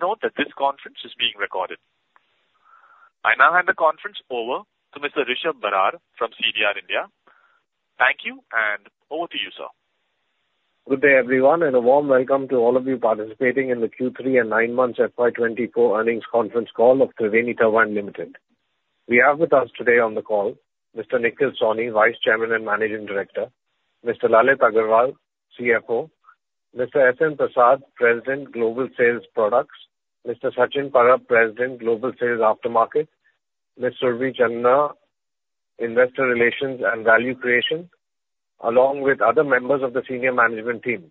Please note that this conference is being recorded. I now hand the conference over to Mr. Rishabh Barar from CDR India. Thank you, and over to you, sir. Good day, everyone, and a warm welcome to all of you participating in the Q3 and 9 months FY 2024 earnings conference call of Triveni Turbine Limited. We have with us today on the call Mr. Nikhil Sawhney, Vice Chairman and Managing Director. Mr. Lalit Agarwal, CFO. Mr. S.N. Prasad, President, Global Sales (Product). Mr. Sachin Parab, President, Global Sales (Aftermarket). Ms. Surabhi Chandna, Investor Relations and Value Creation, along with other members of the senior management team.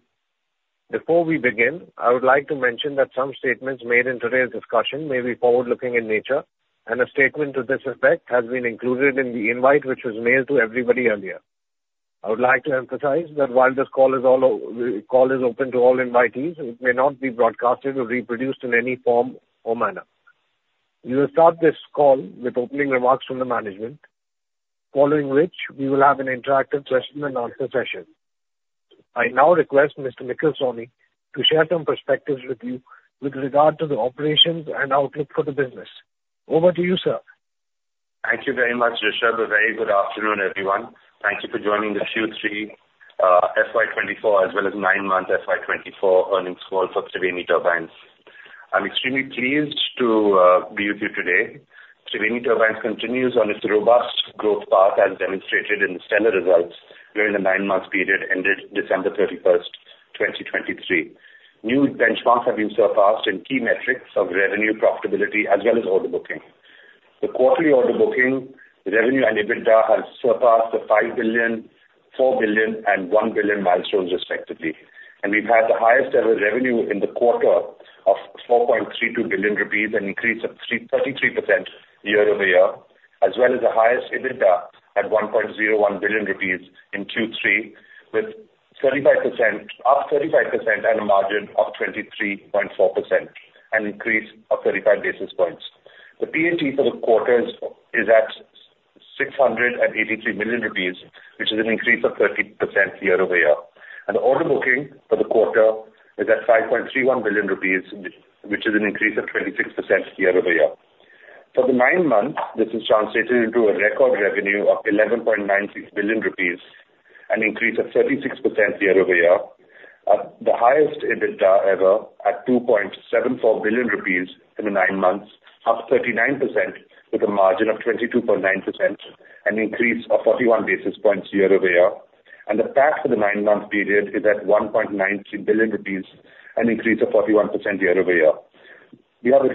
Before we begin, I would like to mention that some statements made in today's discussion may be forward-looking in nature, and a statement to this effect has been included in the invite, which was mailed to everybody earlier. I would like to emphasize that while this call is open to all invitees, it may not be broadcasted or reproduced in any form or manner. We will start this call with opening remarks from the management, following which we will have an interactive question and answer session. I now request Mr. Nikhil Sawhney to share some perspectives with you with regard to the operations and outlook for the business. Over to you, sir. Thank you very much, Rishabh. A very good afternoon, everyone. Thank you for joining this Q3, FY 2024, as well as nine-month FY 2024 earnings call for Triveni Turbines. I'm extremely pleased to be with you today. Triveni Turbines continues on its robust growth path, as demonstrated in the stellar results during the nine-month period ended December 31, 2023. New benchmarks have been surpassed in key metrics of revenue profitability as well as order booking. The quarterly order booking, revenue and EBITDA has surpassed the 5 billion, 4 billion and 1 billion milestones respectively, and we've had the highest ever revenue in the quarter of 4.32 billion rupees, an increase of 33% year-over-year, as well as the highest EBITDA at 1.01 billion rupees in Q3, with 35% up 35% and a margin of 23.4%, an increase of 35 basis points. The PAT for the quarter is at 683 million rupees, which is an increase of 30% year over year. And the order booking for the quarter is at 5.31 billion rupees, which is an increase of 26% year over year. For the nine months, this has translated into a record revenue of 11.96 billion rupees, an increase of 36% year-over-year, the highest EBITDA ever at 2.74 billion rupees in the nine months, up 39%, with a margin of 22.9%, an increase of 41 basis points year-over-year. The PAT for the nine-month period is at 1.93 billion rupees, an increase of 41% year-over-year. Order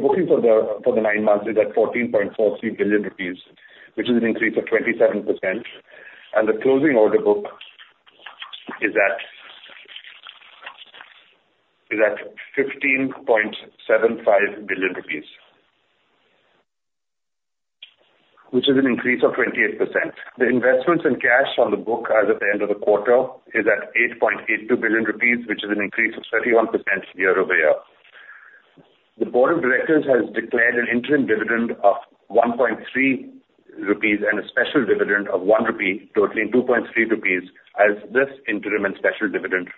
booking for the nine months is at 14.43 billion rupees, which is an increase of 27%, and the closing order book is at INR 15.75 billion, which is an increase of 28%. The investments in cash on the book as of the end of the quarter is at 8.82 billion rupees, which is an increase of 31% year-over-year. The board of directors has declared an interim dividend of 1.3 rupees and a special dividend of 1 rupee, totaling 2.3 rupees, as this interim and special dividend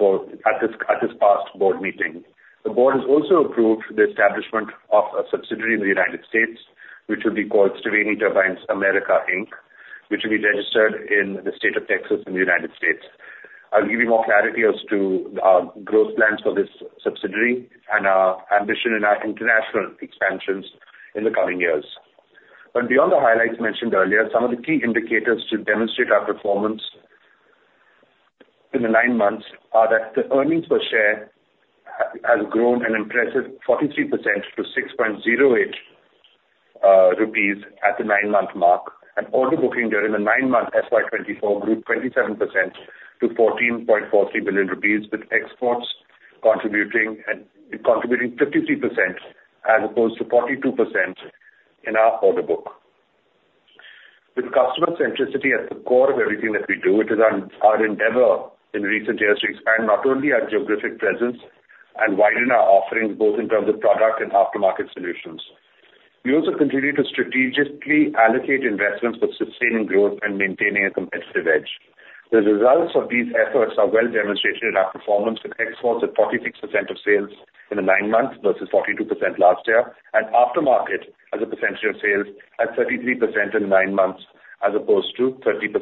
at this past board meeting. The board has also approved the establishment of a subsidiary in the United States, which will be called Triveni Turbines Americas Inc., which will be registered in the state of Texas in the United States. I'll give you more clarity as to growth plans for this subsidiary and our ambition in our international expansions in the coming years. But beyond the highlights mentioned earlier, some of the key indicators to demonstrate our performance in the nine months are that the earnings per share has grown an impressive 43% to 6.08 rupees at the nine-month mark, and order booking during the nine-month FY 2024 grew 27% to 14.43 billion rupees, with exports contributing 53% as opposed to 42% in our order book. With customer centricity at the core of everything that we do, it is our endeavor in recent years to expand not only our geographic presence and widen our offerings, both in terms of product and aftermarket solutions. We also continue to strategically allocate investments for sustaining growth and maintaining a competitive edge. The results of these efforts are well demonstrated in our performance, with exports at 46% of sales in the nine months versus 42% last year, and aftermarket as a percentage of sales at 33% in nine months, as opposed to 30%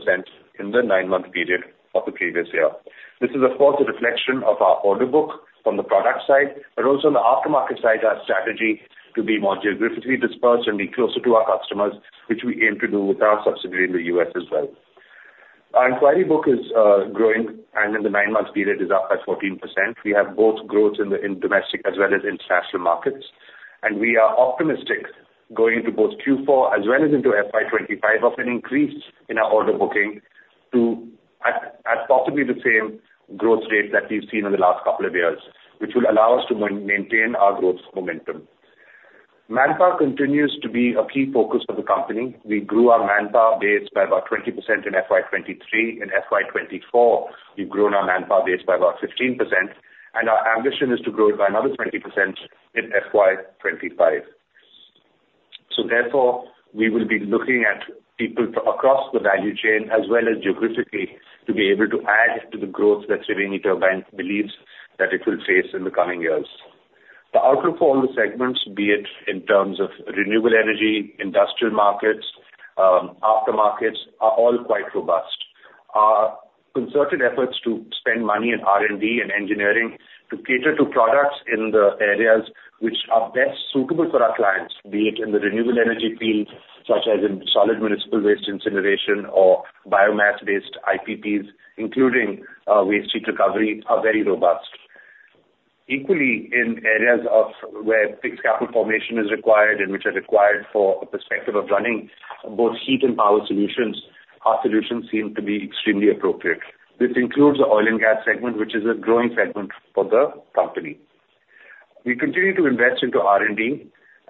in the nine-month period of the previous year. This is, of course, a reflection of our order book from the product side, but also on the aftermarket side, our strategy to be more geographically dispersed and be closer to our customers, which we aim to do with our subsidiary in the US as well. Our inquiry book is growing, and in the nine-month period is up by 14%. We have both growth in domestic as well as international markets, and we are optimistic going into both Q4 as well as into FY 2025 of an increase in our order booking to possibly the same growth rate that we've seen in the last couple of years, which will allow us to maintain our growth momentum. Manpower continues to be a key focus of the company. We grew our manpower base by about 20% in FY 2023. In FY 2024, we've grown our manpower base by about 15%, and our ambition is to grow it by another 20% in FY 2025.... So therefore, we will be looking at people across the value chain as well as geographically, to be able to add to the growth that Triveni Turbine believes that it will face in the coming years. The outlook for all the segments, be it in terms of renewable energy, industrial markets, aftermarkets, are all quite robust. Our concerted efforts to spend money in R&D and engineering to cater to products in the areas which are best suitable for our clients, be it in the renewable energy field, such as in solid municipal waste incineration or biomass-based IPPs, including, waste heat recovery, are very robust. Equally, in areas of where fixed capital formation is required and which are required for a perspective of running both heat and power solutions, our solutions seem to be extremely appropriate. This includes the oil and gas segment, which is a growing segment for the company. We continue to invest into R&D,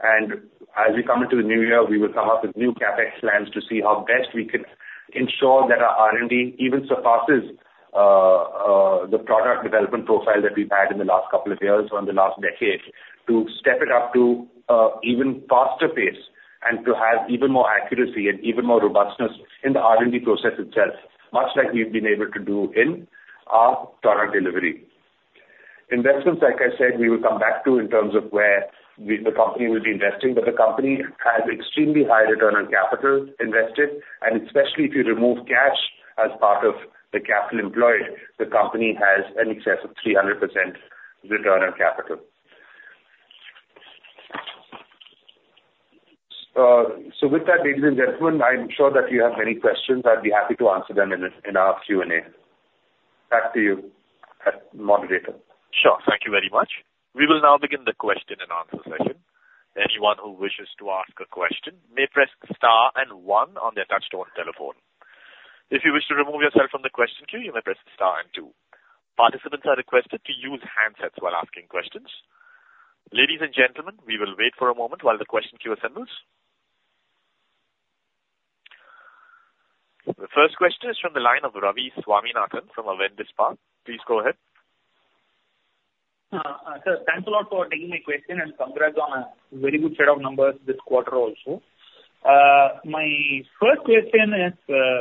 and as we come into the new year, we will come up with new CapEx plans to see how best we can ensure that our R&D even surpasses the product development profile that we've had in the last couple of years or in the last decade, to step it up to a even faster pace, and to have even more accuracy and even more robustness in the R&D process itself, much like we've been able to do in our product delivery. Investments, like I said, we will come back to in terms of where the, the company will be investing, but the company has extremely high return on capital invested, and especially if you remove cash as part of the capital employed, the company has an excess of 300% return on capital. So with that, ladies and gentlemen, I'm sure that you have many questions. I'd be happy to answer them in our Q&A. Back to you, moderator. Sure. Thank you very much. We will now begin the question and answer session. Anyone who wishes to ask a question may press star and one on their touchtone telephone. If you wish to remove yourself from the question queue, you may press star and two. Participants are requested to use handsets while asking questions. Ladies and gentlemen, we will wait for a moment while the question queue assembles. The first question is from the line of Ravi Swaminathan from Avendus Spark. Please go ahead. Sir, thanks a lot for taking my question, and congrats on a very good set of numbers this quarter also. My first question is,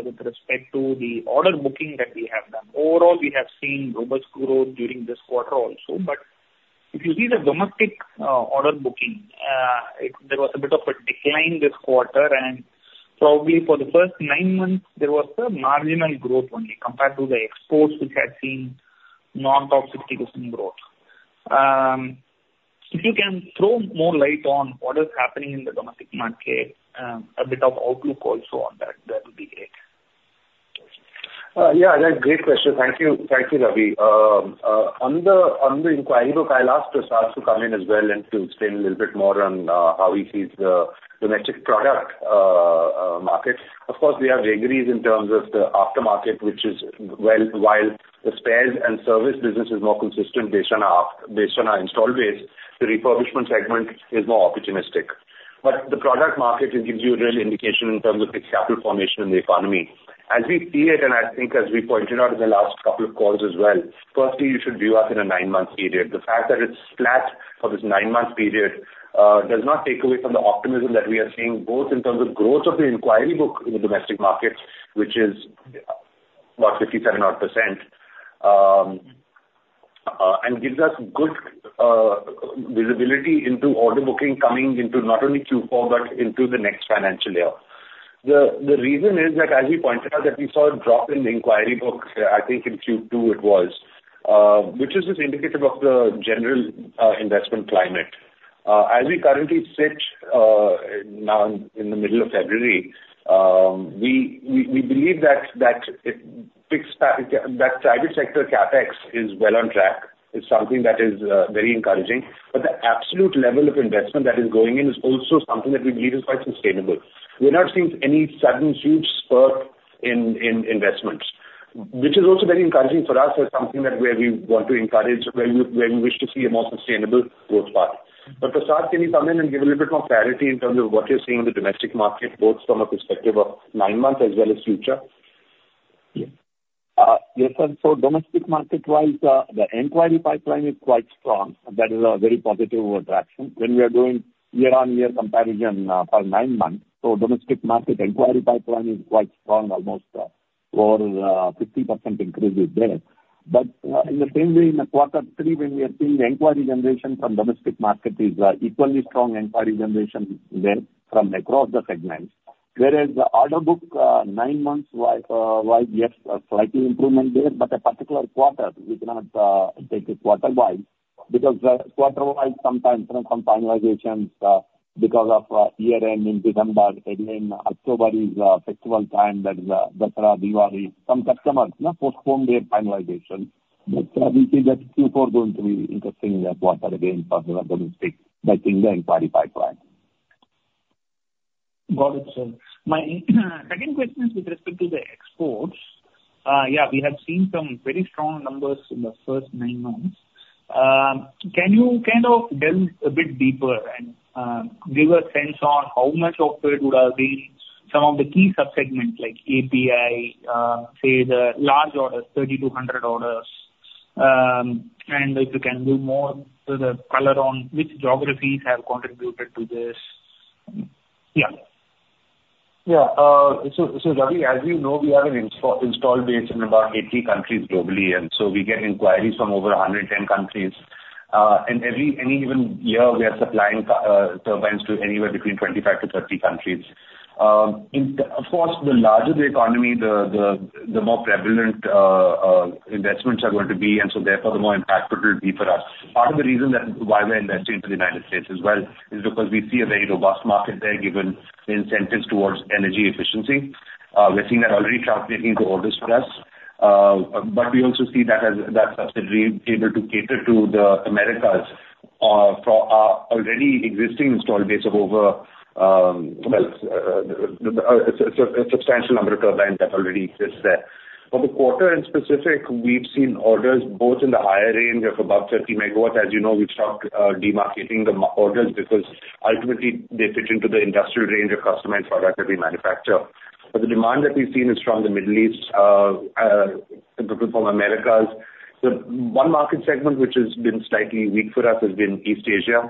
with respect to the order booking that we have done. Overall, we have seen robust growth during this quarter also, but if you see the domestic, order booking, there was a bit of a decline this quarter, and probably for the first nine months, there was a marginal growth only, compared to the exports, which had seen north of 60% growth. If you can throw more light on what is happening in the domestic market, a bit of outlook also on that, that would be great. Yeah, that's a great question. Thank you. Thank you, Ravi. On the inquiry book, I'll ask Prasad to come in as well and to explain a little bit more on how he sees the domestic product market. Of course, we have vagaries in terms of the aftermarket, which is well, while the spares and service business is more consistent based on our installed base, the refurbishment segment is more opportunistic. But the product market, it gives you a real indication in terms of fixed capital formation in the economy. As we see it, and I think as we pointed out in the last couple of calls as well, firstly, you should view us in a nine-month period. The fact that it's flat for this nine-month period does not take away from the optimism that we are seeing, both in terms of growth of the inquiry book in the domestic market, which is about 57 odd%, and gives us good visibility into order booking coming into not only Q4, but into the next financial year. The reason is that, as we pointed out, that we saw a drop in the inquiry book, I think in Q2 it was, which is just indicative of the general investment climate. As we currently sit now in the middle of February, we believe that it picks up, that private sector CapEx is well on track. It's something that is very encouraging. But the absolute level of investment that is going in is also something that we believe is quite sustainable. We're not seeing any sudden huge spurt in investment, which is also very encouraging for us as something that where we want to encourage, where we wish to see a more sustainable growth path. But, Prasad, can you come in and give a little bit more clarity in terms of what you're seeing in the domestic market, both from a perspective of nine months as well as future? Yes, sir. So domestic market-wise, the inquiry pipeline is quite strong. That is a very positive attraction. When we are doing year-on-year comparison, for nine months, so domestic market inquiry pipeline is quite strong, almost over 50% increase is there. But in the same way, in the quarter three, when we are seeing the inquiry generation from domestic market is equally strong inquiry generation there from across the segments. Whereas the order book, nine months-wise, wise, yes, a slightly improvement there, but a particular quarter, we cannot take it quarter-wise, because quarter-wise, sometimes some finalizations because of year-end in December, again, October is festival time, that is Dussehra, Diwali, some customers now postpone their finalization. But, we see that Q4 going to be interesting, that quarter again for the domestic, but in the inquiry pipeline. Got it, sir. My second question is with respect to the exports. Yeah, we have seen some very strong numbers in the first nine months. Can you kind of delve a bit deeper and give a sense on how much of it would have been some of the key sub-segments, like API, say, the large orders, 3,200 orders?... and if you can do more, so the color on which geographies have contributed to this? Yeah. Yeah. So, Ravi, as you know, we have an install base in about 80 countries globally, and so we get inquiries from over 110 countries. And any given year, we are supplying turbines to anywhere between 25-30 countries. Of course, the larger the economy, the more prevalent investments are going to be, and so therefore, the more impactful it will be for us. Part of the reason that why we're investing into the United States as well is because we see a very robust market there, given the incentives towards energy efficiency. We're seeing that already translating into orders for us. But we also see that as, that's a great way to cater to the Americas, for our already existing install base of over, well, a substantial number of turbines that already exists there. For the quarter in specific, we've seen orders both in the higher range of above 30 megawatts. As you know, we've stopped demarketing the small orders, because ultimately they fit into the industrial range of customized product that we manufacture. But the demand that we've seen is from the Middle East, including from Americas. The one market segment which has been slightly weak for us has been East Asia,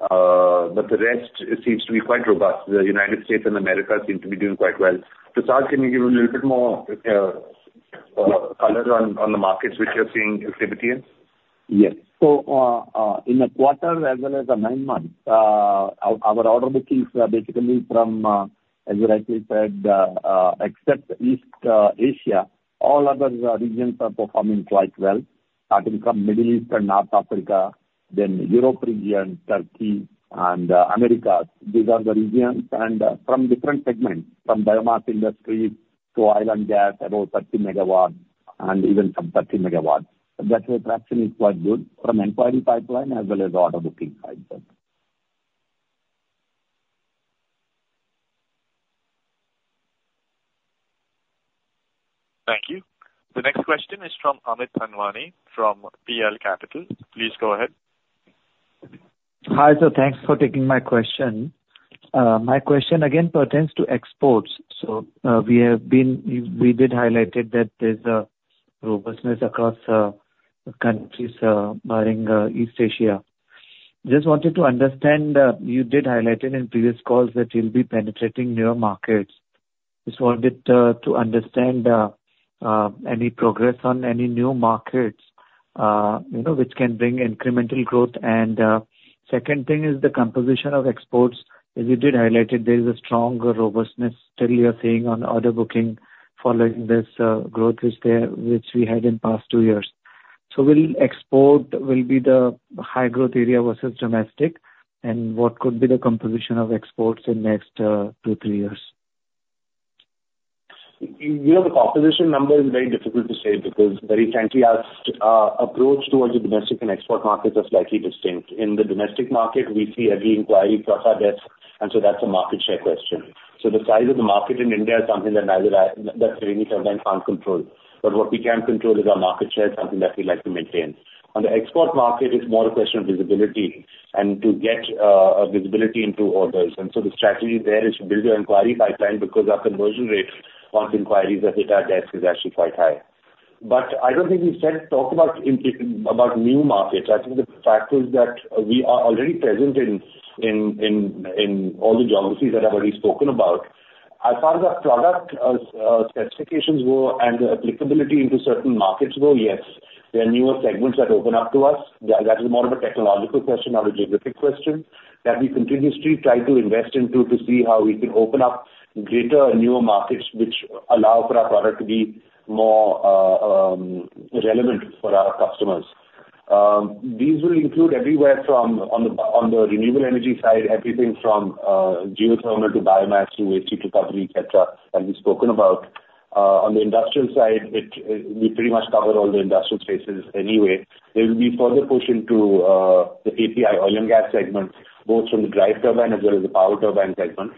but the rest seems to be quite robust. The United States and Americas seem to be doing quite well. Prasad, can you give a little bit more color on the markets which you're seeing activity in? Yes. So, in the quarter, as well as the nine months, our order book is basically from, as you rightly said, except East Asia, all other regions are performing quite well. That will come Middle East and North Africa, then Europe region, Turkey and Americas. These are the regions and from different segments, from biomass industry to oil and gas, about 30 megawatts and even some 30 megawatts. That way, traction is quite good from inquiry pipeline as well as order booking pipeline. Thank you. The next question is from Amit Anwani from PL Capital - Prabhudas Lilladher. Please go ahead. Hi, sir. Thanks for taking my question. My question again pertains to exports. So, we did highlight that there's a robustness across countries, barring East Asia. Just wanted to understand, you did highlight in previous calls that you'll be penetrating new markets. Just wanted to understand any progress on any new markets, you know, which can bring incremental growth. And, second thing is the composition of exports. As you did highlight it, there is a stronger robustness still you're seeing on order booking following this growth, which we had in past two years. So will export be the high growth area versus domestic? And what could be the composition of exports in next two, three years? You, you know, the composition number is very difficult to say, because very frankly, our approach towards the domestic and export markets are slightly distinct. In the domestic market, we see every inquiry cross our desk, and so that's a market share question. So the size of the market in India is something that neither I, that Triveni Turbines can't control. But what we can control is our market share, something that we like to maintain. On the export market, it's more a question of visibility and to get a visibility into orders. And so the strategy there is to build your inquiry pipeline, because our conversion rates on inquiries that hit our desk is actually quite high. But I don't think we said talk about in, about new markets. I think the fact is that we are already present in all the geographies that I've already spoken about. As far as our product specifications go and the applicability into certain markets go, yes, there are newer segments that open up to us. That is more of a technological question, not a geographic question, that we continuously try to invest into to see how we can open up greater and newer markets which allow for our product to be more relevant for our customers. These will include everywhere from on the renewable energy side, everything from geothermal to biomass to waste heat recovery, et cetera, as we've spoken about. On the industrial side, we pretty much cover all the industrial spaces anyway. There will be further push into the API oil and gas segment, both from the drive turbine as well as the power turbine segment.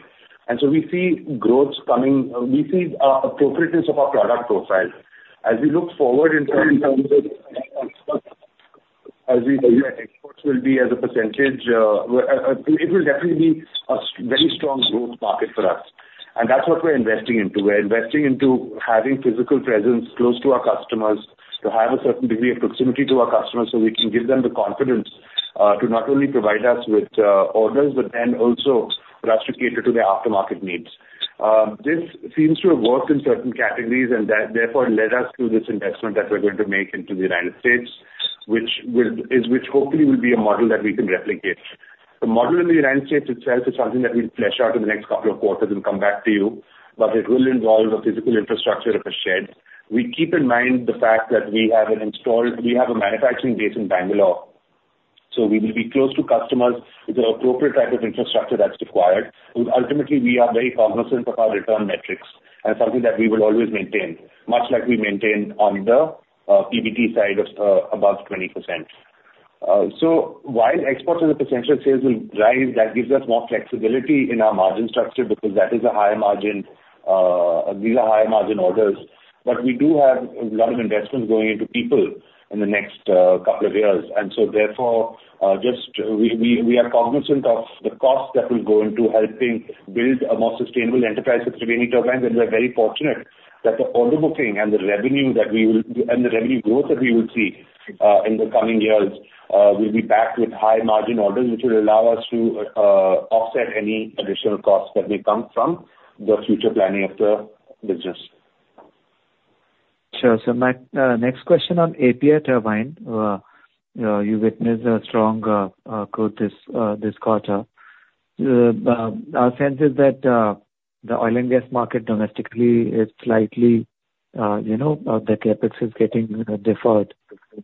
And so we see growth coming. We see appropriateness of our product profile. As we look forward in terms of as we know our exports will be as a percentage, it will definitely be a very strong growth market for us. And that's what we're investing into. We're investing into having physical presence close to our customers, to have a certain degree of proximity to our customers, so we can give them the confidence to not only provide us with orders, but then also for us to cater to their aftermarket needs. This seems to have worked in certain categories, and that therefore led us to this investment that we're going to make into the United States, which will hopefully will be a model that we can replicate. The model in the United States itself is something that we'll flesh out in the next couple of quarters and come back to you, but it will involve a physical infrastructure of a shed. We keep in mind the fact that we have a manufacturing base in Bangalore, so we will be close to customers with the appropriate type of infrastructure that's required. Ultimately, we are very cognizant of our return metrics, and something that we will always maintain, much like we maintain on the PBT side of above 20%. So while exports as a percentage of sales will rise, that gives us more flexibility in our margin structure, because that is a higher margin, these are higher margin orders. But we do have a lot of investment going into people in the next couple of years. And so therefore, just we are cognizant of the costs that will go into helping build a more sustainable enterprise for Triveni Turbines. And we are very fortunate that the order booking and the revenue that we will—and the revenue growth that we will see in the coming years will be backed with high margin orders, which will allow us to offset any additional costs that may come from the future planning of the business. ... Sure. So my next question on API turbine. You witnessed a strong growth this quarter. Our sense is that the oil and gas market domestically is slightly, you know, the CapEx is getting, you know, deferred.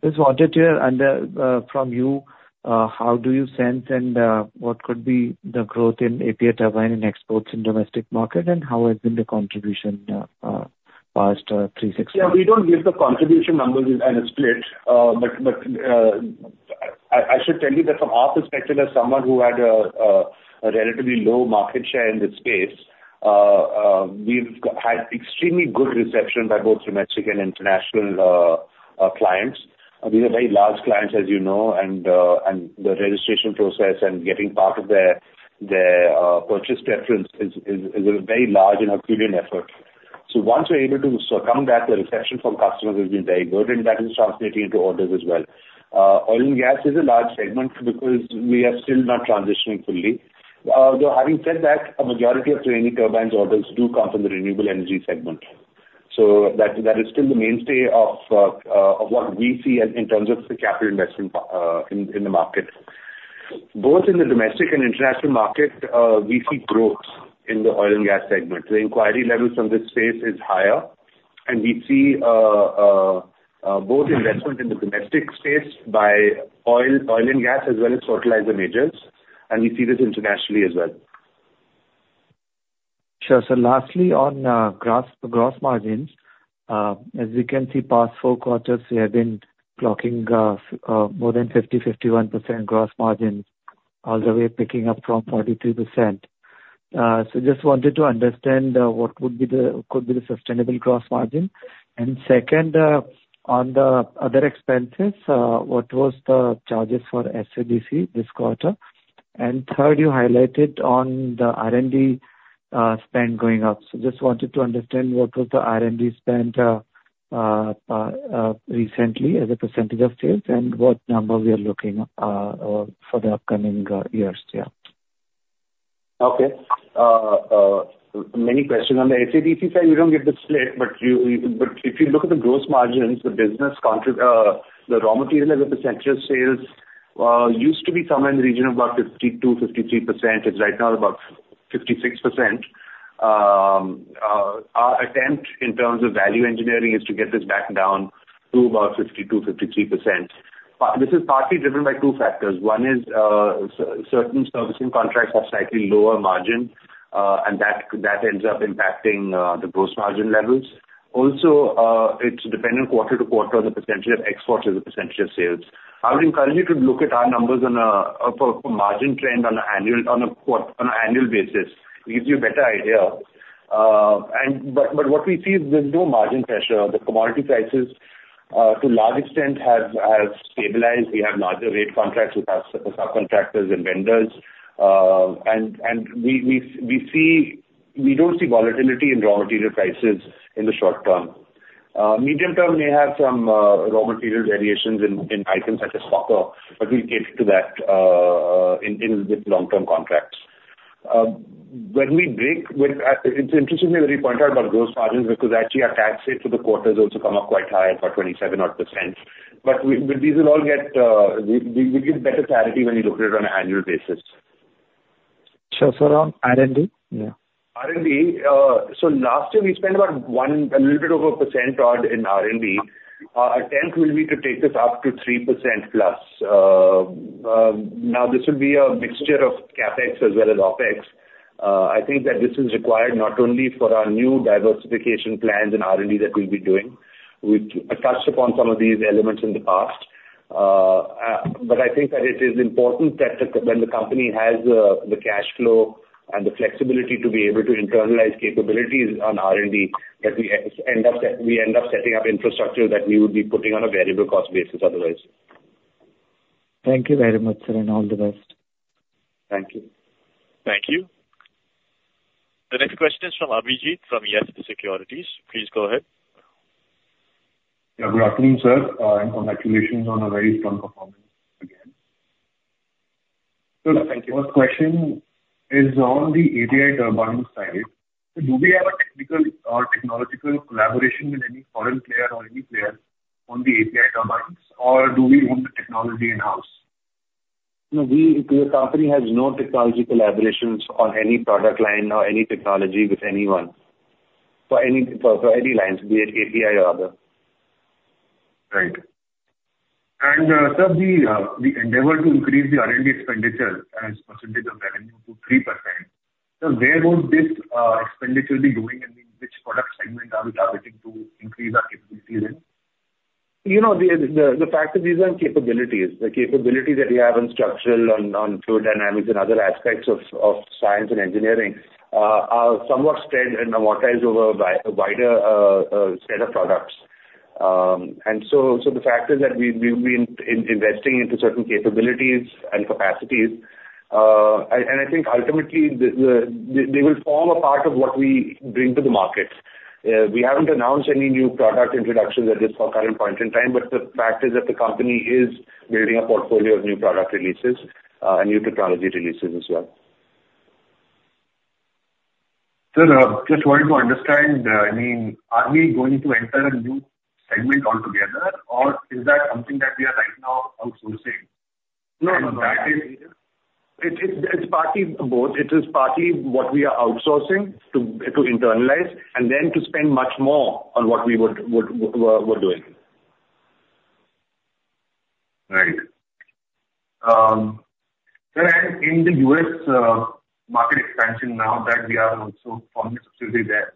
Just wanted to hear, and from you, how do you sense, and what could be the growth in API Turbine in exports and domestic market, and how has been the contribution past three, six months? Yeah, we don't give the contribution numbers as a split. But I should tell you that from our perspective, as someone who had a relatively low market share in this space, we've had extremely good reception by both domestic and international clients. These are very large clients, as you know, and the registration process and getting part of their purchase preference is a very large and Herculean effort. So once we're able to overcome that, the reception from customers has been very good, and that is translating into orders as well. Oil and gas is a large segment because we are still not transitioning fully. Though having said that, a majority of turbine orders do come from the renewable energy segment. So that is still the mainstay of what we see in terms of the capital investment in the market. Both in the domestic and international market, we see growth in the oil and gas segment. The inquiry levels from this space is higher, and we see both investment in the domestic space by oil and gas, as well as fertilizer majors, and we see this internationally as well. Sure. So lastly, on gross margins, as we can see, past 4 quarters, we have been clocking more than 50, 51% gross margins, all the way picking up from 43%. So just wanted to understand what would be the, could be the sustainable gross margin. And second, on the other expenses, what was the charges for SADC this quarter? And third, you highlighted on the R&D spend going up. So just wanted to understand what was the R&D spend recently as a percentage of sales, and what number we are looking for the upcoming years? Yeah. Okay. Many questions. On the SADC side, we don't give the split, but if you look at the gross margins, the business context, the raw material as a percentage of sales, used to be somewhere in the region of about 52%-53%. It's right now about 56%. Our attempt in terms of value engineering is to get this back down to about 52%-53%. This is partly driven by two factors. One is, certain servicing contracts have slightly lower margin, and that ends up impacting the gross margin levels. Also, it's dependent quarter to quarter on the percentage of exports as a percentage of sales. I would encourage you to look at our numbers on a margin trend on an annual basis. It gives you a better idea. But what we see is there's no margin pressure. The commodity prices, to a large extent, have stabilized. We have larger rate contracts with our subcontractors and vendors. And we don't see volatility in raw material prices in the short term. Medium term may have some raw material variations in items such as copper, but we hedge to that in with long-term contracts. When we break with, it's interestingly that you point out about gross margins, because actually our tax rate for the quarter has also come up quite high, about 27 odd %. But these will all get we give better clarity when you look at it on an annual basis. Sure. So around R&D? Yeah. R&D, so last year we spent about 1, a little bit over a % odd in R&D. Our attempt will be to take this up to 3%+. Now this will be a mixture of CapEx as well as OpEx. I think that this is required not only for our new diversification plans and R&D that we'll be doing, we've touched upon some of these elements in the past. But I think that it is important that the, when the company has, the cash flow and the flexibility to be able to internalize capabilities on R&D, that we end up setting up infrastructure that we would be putting on a variable cost basis otherwise. Thank you very much, sir, and all the best. Thank you. Thank you. The next question is from Abhijit, from YES Securities. Please go ahead. Yeah, good afternoon, sir, and congratulations on a very strong performance again. Thank you. First question is on the API Turbine side. Do we have a technical or technological collaboration with any foreign player or any player on the API Turbines, or do we own the technology in-house? No, the company has no technology collaborations on any product line or any technology with anyone, for any lines, be it API or other. Right. And, sir, the endeavor to increase the R&D expenditure as percentage of revenue to 3%, so where would this expenditure be going, and which product segment are we targeting to increase our capabilities in? You know, the fact is these are capabilities. The capabilities that we have in structural and on fluid dynamics and other aspects of science and engineering are somewhat spread and amortized over a wider set of products. And so the fact is that we, we've been investing into certain capabilities and capacities, and I think ultimately, they will form a part of what we bring to the market. We haven't announced any new product introductions at this current point in time, but the fact is that the company is building a portfolio of new product releases and new technology releases as well.... Sir, just wanted to understand, I mean, are we going to enter a new segment altogether, or is that something that we are right now outsourcing? No, no, it's partly both. It is partly what we are outsourcing to internalize, and then to spend much more on what we're doing. Right. Sir, and in the U.S., market expansion, now that we are also forming a subsidiary there,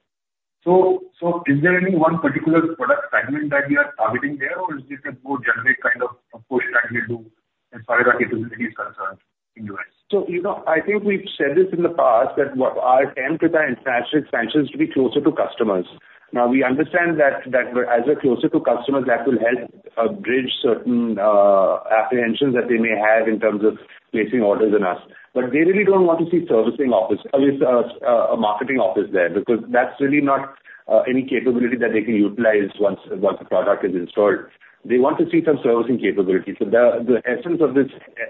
so is there any one particular product segment that we are targeting there, or is it a more generic kind of approach that we do as far as our capability is concerned in U.S.? So, you know, I think we've said this in the past, that what our aim with our international expansion is to be closer to customers. Now, we understand that, that as we're closer to customers, that will help bridge certain apprehensions that they may have in terms of placing orders on us. But they really don't want to see servicing office, a marketing office there, because that's really not any capability that they can utilize once, once the product is installed. They want to see some servicing capabilities. So the essence of this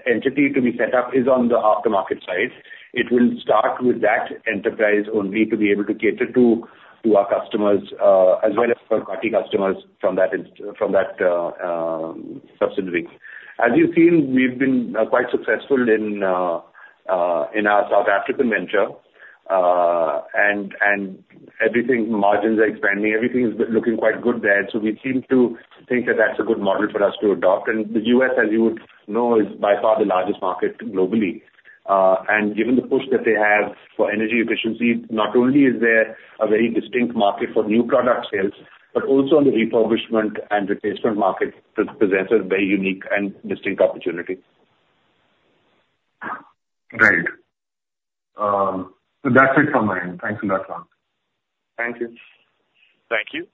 entity to be set up is on the aftermarket side. It will start with that enterprise only to be able to cater to our customers, as well as third-party customers from that subsidiary. As you've seen, we've been quite successful in our South African venture. And everything, margins are expanding, everything is looking quite good there. So we seem to think that that's a good model for us to adopt. And the U.S., as you would know, is by far the largest market globally. And given the push that they have for energy efficiency, not only is there a very distinct market for new product sales, but also on the refurbishment and replacement market, possesses a very unique and distinct opportunity. Right. So that's it from my end. Thanks a lot, sir. Thank you. Thank you.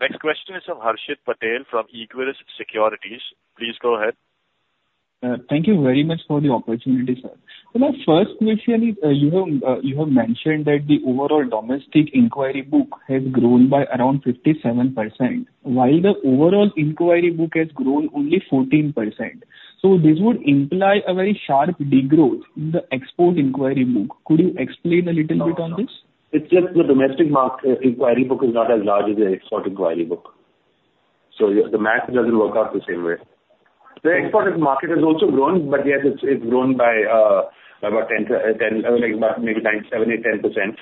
Next question is from Harshit Patel from Equirus Securities. Please go ahead. Thank you very much for the opportunity, sir. So my first question is, you have mentioned that the overall domestic inquiry book has grown by around 57%, while the overall inquiry book has grown only 14%. So this would imply a very sharp degrowth in the export inquiry book. Could you explain a little bit on this? It's just the domestic market inquiry book is not as large as the export inquiry book. So the math doesn't work out the same way. The export market has also grown, but yes, it's grown by about 10%, like, about maybe 9%-10%.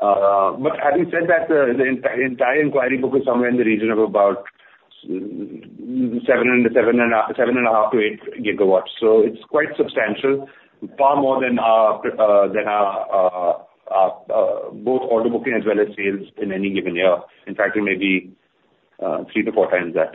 But having said that, the entire inquiry book is somewhere in the region of about 7.5-8 gigawatts. So it's quite substantial, far more than our order booking as well as sales in any given year. In fact, it may be 3-4 times that.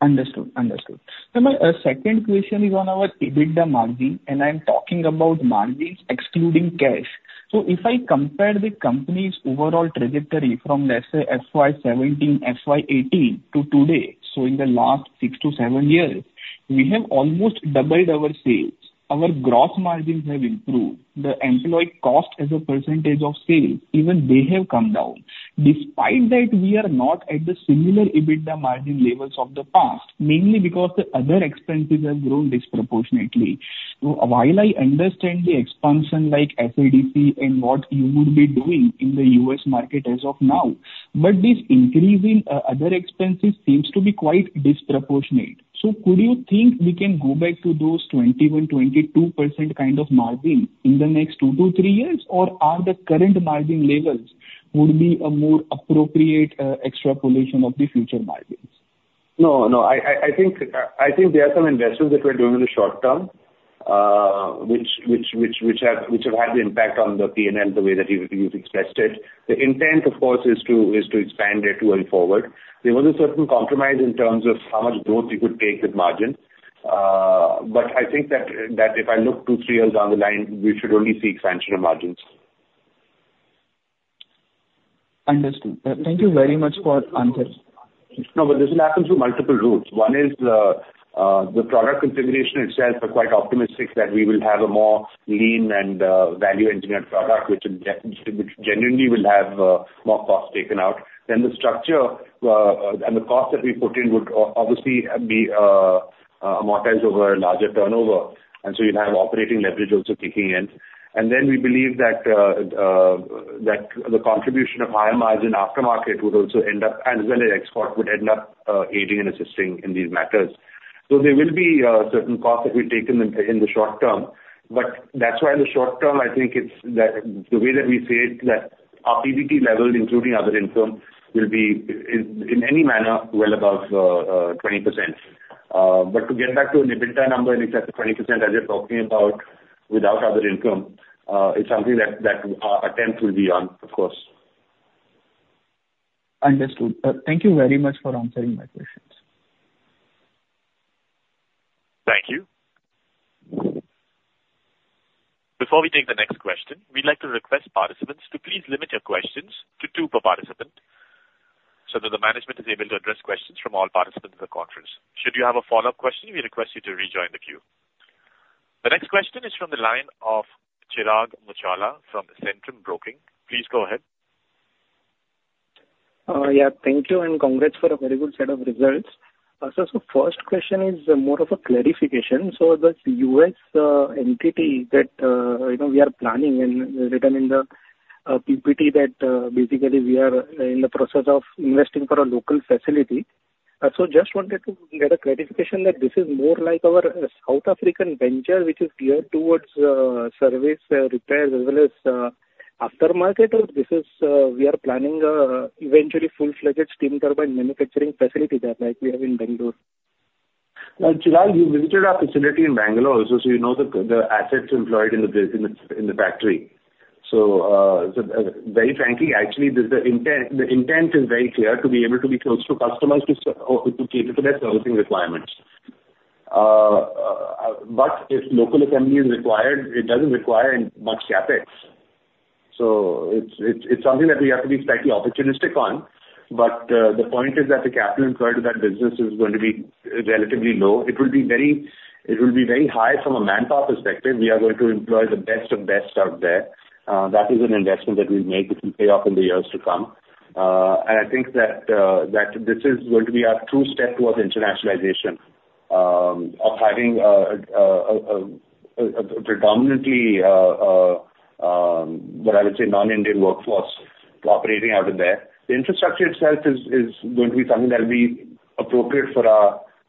Understood. Understood. Sir, my second question is on our EBITDA margin, and I'm talking about margins excluding cash. So if I compare the company's overall trajectory from, let's say, FY17, FY18 to today, so in the last 6-7 years, we have almost doubled our sales. Our gross margins have improved. The employee cost as a percentage of sales, even they have come down. Despite that, we are not at the similar EBITDA margin levels of the past, mainly because the other expenses have grown disproportionately. So while I understand the expansion like SADC and what you would be doing in the US market as of now, but this increase in other expenses seems to be quite disproportionate. So could you think we can go back to those 21%-22% kind of margin in the next 2-3 years? Or are the current margin levels would be a more appropriate extrapolation of the future margins? No, no, I think there are some investments that we're doing in the short term, which have had the impact on the P&L the way that you've expressed it. The intent, of course, is to expand it going forward. There was a certain compromise in terms of how much growth you could take with margin. But I think that if I look two, three years down the line, we should only see expansion of margins. Understood. Thank you very much for answer. No, but this will happen through multiple routes. One is the product configuration itself are quite optimistic that we will have a more lean and value-engineered product, which will which genuinely will have more costs taken out. Then the structure and the cost that we put in would obviously be amortized over a larger turnover, and so you'll have operating leverage also kicking in. And then we believe that that the contribution of O&Ms in aftermarket would also end up, as well as export, would end up aiding and assisting in these matters. So there will be certain costs that we've taken in, in the short term, but that's why in the short term, I think it's that the way that we see it, that our PBT levels, including other income, will be in any manner well above 20%. But to get back to an EBITDA number in excess of 20%, as you're talking about, without other income, is something that our attempt will be on, of course. Understood. Thank you very much for answering my questions. Thank you. Before we take the next question, we'd like to request participants to please limit your questions to two per participant, so that the management is able to address questions from all participants in the conference. Should you have a follow-up question, we request you to rejoin the queue. The next question is from the line of Chirag Muchhala from Centrum Broking. Please go ahead.... Yeah, thank you, and congrats for a very good set of results. So, so first question is more of a clarification. So the U.S., you know, entity that we are planning and written in the PPT that basically we are in the process of investing for a local facility. So just wanted to get a clarification that this is more like our South African venture, which is geared towards service, repairs, as well as aftermarket, or this is we are planning eventually full-fledged steam turbine manufacturing facility there, like we have in Bangalore. Well, Chirag, you visited our facility in Bangalore also, so you know the, the assets employed in the bus- in the, in the factory. So, very frankly, actually, this, the intent, the intent is very clear, to be able to be close to customers to s- or to cater to their servicing requirements. But if local assembly is required, it doesn't require much CapEx. So it's, it's, it's something that we have to be slightly opportunistic on. But, the point is that the capital employed in that business is going to be relatively low. It will be very-- It will be very high from a manpower perspective. We are going to employ the best of best out there. That is an investment that we've made, which will pay off in the years to come. And I think that this is going to be our true step towards internationalization, of having a predominantly what I would say, non-Indian workforce operating out of there. The infrastructure itself is going to be something that'll be appropriate for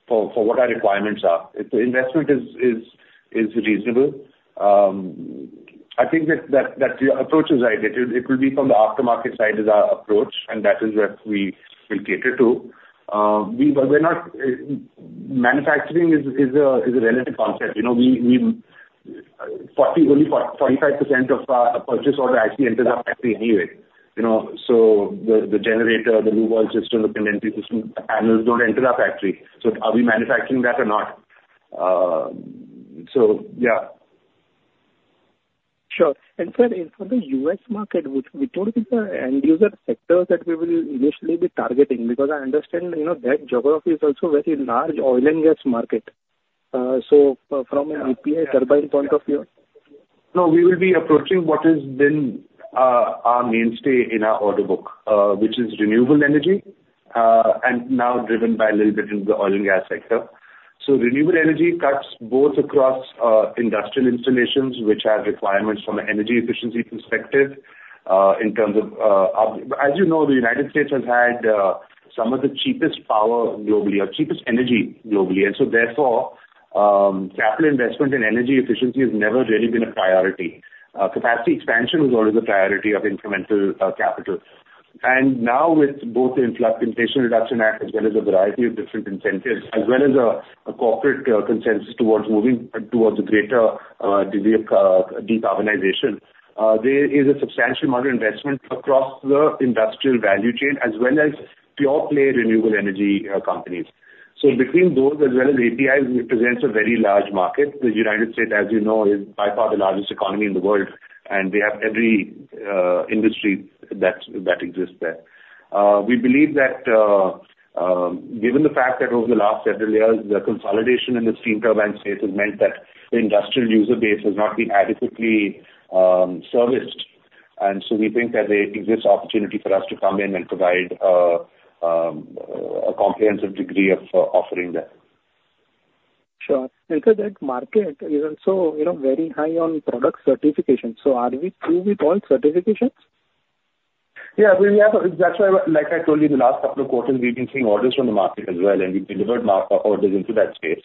what our requirements are. The investment is reasonable. I think that the approach is right. It will be from the aftermarket side as our approach, and that is what we will cater to. We're not... Manufacturing is a relative concept. You know, we only 45% of our purchase order actually enters our factory anyway, you know, so the generator, the lube oil system, the condensation system, panels don't enter our factory. Are we manufacturing that or not? Yeah. Sure. And sir, for the US market, which would be the end user sectors that we will initially be targeting? Because I understand, you know, that geography is also very large oil and gas market. So from an API Turbine point of view. No, we will be approaching what has been our mainstay in our order book, which is renewable energy, and now driven by a little bit into the oil and gas sector. So renewable energy cuts both across industrial installations, which have requirements from an energy efficiency perspective, in terms of. As you know, the United States has had some of the cheapest power globally or cheapest energy globally, and so therefore, capital investment in energy efficiency has never really been a priority. Capacity expansion was always the priority of incremental capital. And now with both the Inflation Reduction Act, as well as a variety of different incentives, as well as a, a corporate, consensus towards moving towards a greater, degree of, decarbonization, there is a substantial amount of investment across the industrial value chain, as well as pure-play renewable energy, companies. So between those as well as APIs, represents a very large market. The United States, as you know, is by far the largest economy in the world, and they have every, industry that, that exists there. We believe that, given the fact that over the last several years, the consolidation in the steam turbine space has meant that the industrial user base has not been adequately serviced, and so we think that there exists opportunity for us to come in and provide a comprehensive degree of offering there. Sure. And so that market is also, you know, very high on product certification. So are we through with all certifications? Yeah, we have. That's why, like I told you, in the last couple of quarters, we've been seeing orders from the market as well, and we've delivered market orders into that space.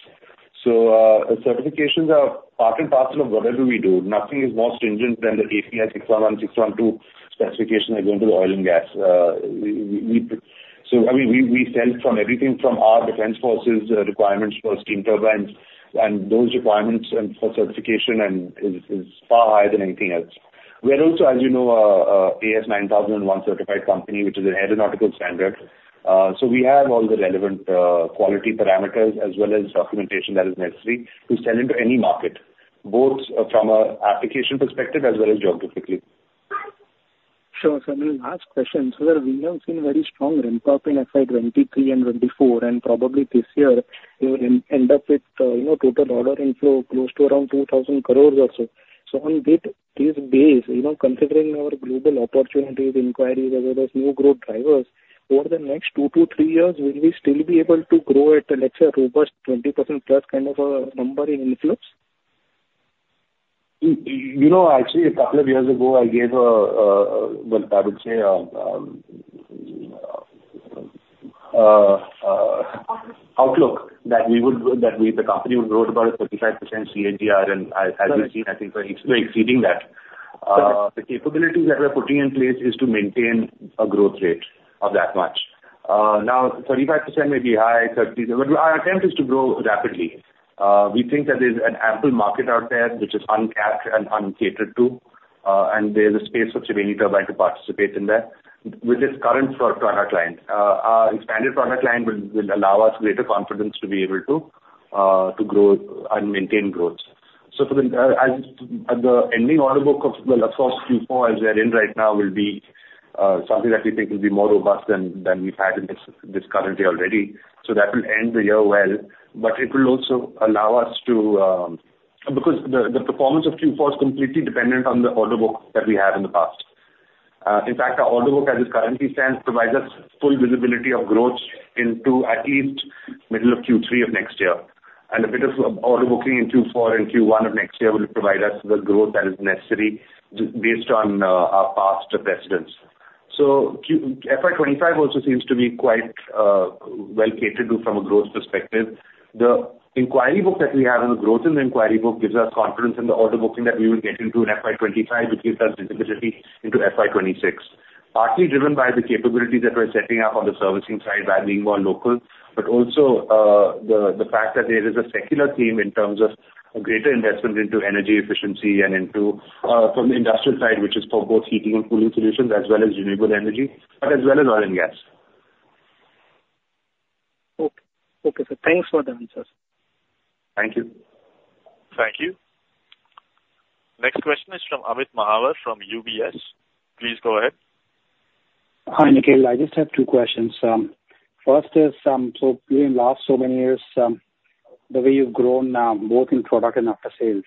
So, certifications are part and parcel of whatever we do. Nothing is more stringent than the API 611, 612 specifications going to the oil and gas. I mean, we sell everything from our defense forces requirements for steam turbines and those requirements for certification is far higher than anything else. We are also, as you know, AS9100 certified company, which is an aeronautical standard. So we have all the relevant quality parameters as well as documentation that is necessary to sell into any market, both from an application perspective as well as geographically. Sure, sir. And the last question, so we have seen very strong ramp up in FY 2023 and 2024, and probably this year, we will end up with, you know, total order inflow close to around 2,000 crore or so. So on this base, you know, considering our global opportunities, inquiries, as well as new growth drivers, over the next 2-3 years, will we still be able to grow at, let's say, a robust 20%+ kind of a number in inflows? You know, actually, a couple of years ago, I gave a, well, I would say, outlook that we would, that we, the company would grow at about a 35% CAGR. And as you've seen, I think we're exceeding that. The capabilities that we're putting in place is to maintain a growth rate of that much. Now, 35% may be high, thirty... But our attempt is to grow rapidly. We think that there's an ample market out there which is untapped and uncatered to, and there's a space for Triveni Turbine to participate in that with this current product line. Our expanded product line will allow us greater confidence to be able to to grow and maintain growth. So for the ending order book of, well, of course, Q4, as we're in right now, will be something that we think will be more robust than we've had in this current year already. So that will end the year well, but it will also allow us to... Because the performance of Q4 is completely dependent on the order book that we had in the past. In fact, our order book, as it currently stands, provides us full visibility of growth into at least middle of Q3 of next year. And a bit of order booking in Q4 and Q1 of next year will provide us the growth that is necessary based on our past precedents. So FY 25 also seems to be quite well catered to from a growth perspective. The inquiry book that we have, and the growth in the inquiry book, gives us confidence in the order booking that we will get into in FY 2025, which gives us visibility into FY 2026. Partly driven by the capabilities that we're setting up on the servicing side by being more local, but also, the fact that there is a secular theme in terms of a greater investment into energy efficiency and into from the industrial side, which is for both heating and cooling solutions, as well as renewable energy, but as well as oil and gas. Okay. Okay, sir. Thanks for the answers. Thank you. Thank you. Next question is from Amit Mahawar from UBS. Please go ahead. Hi, Nikhil. I just have two questions. First is, so during the last so many years, the way you've grown, both in product and aftersales,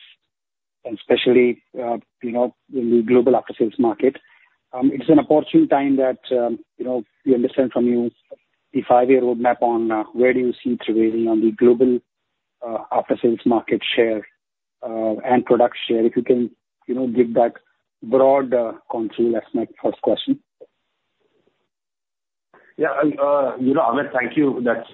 and especially, you know, in the global aftersales market, it's an opportune time that, you know, we understand from you the five-year roadmap on, where do you see Triveni on the global, aftersales market share, and product share? If you can, you know, give that broad, control. That's my first question. Yeah, and, you know, Amit, thank you. That's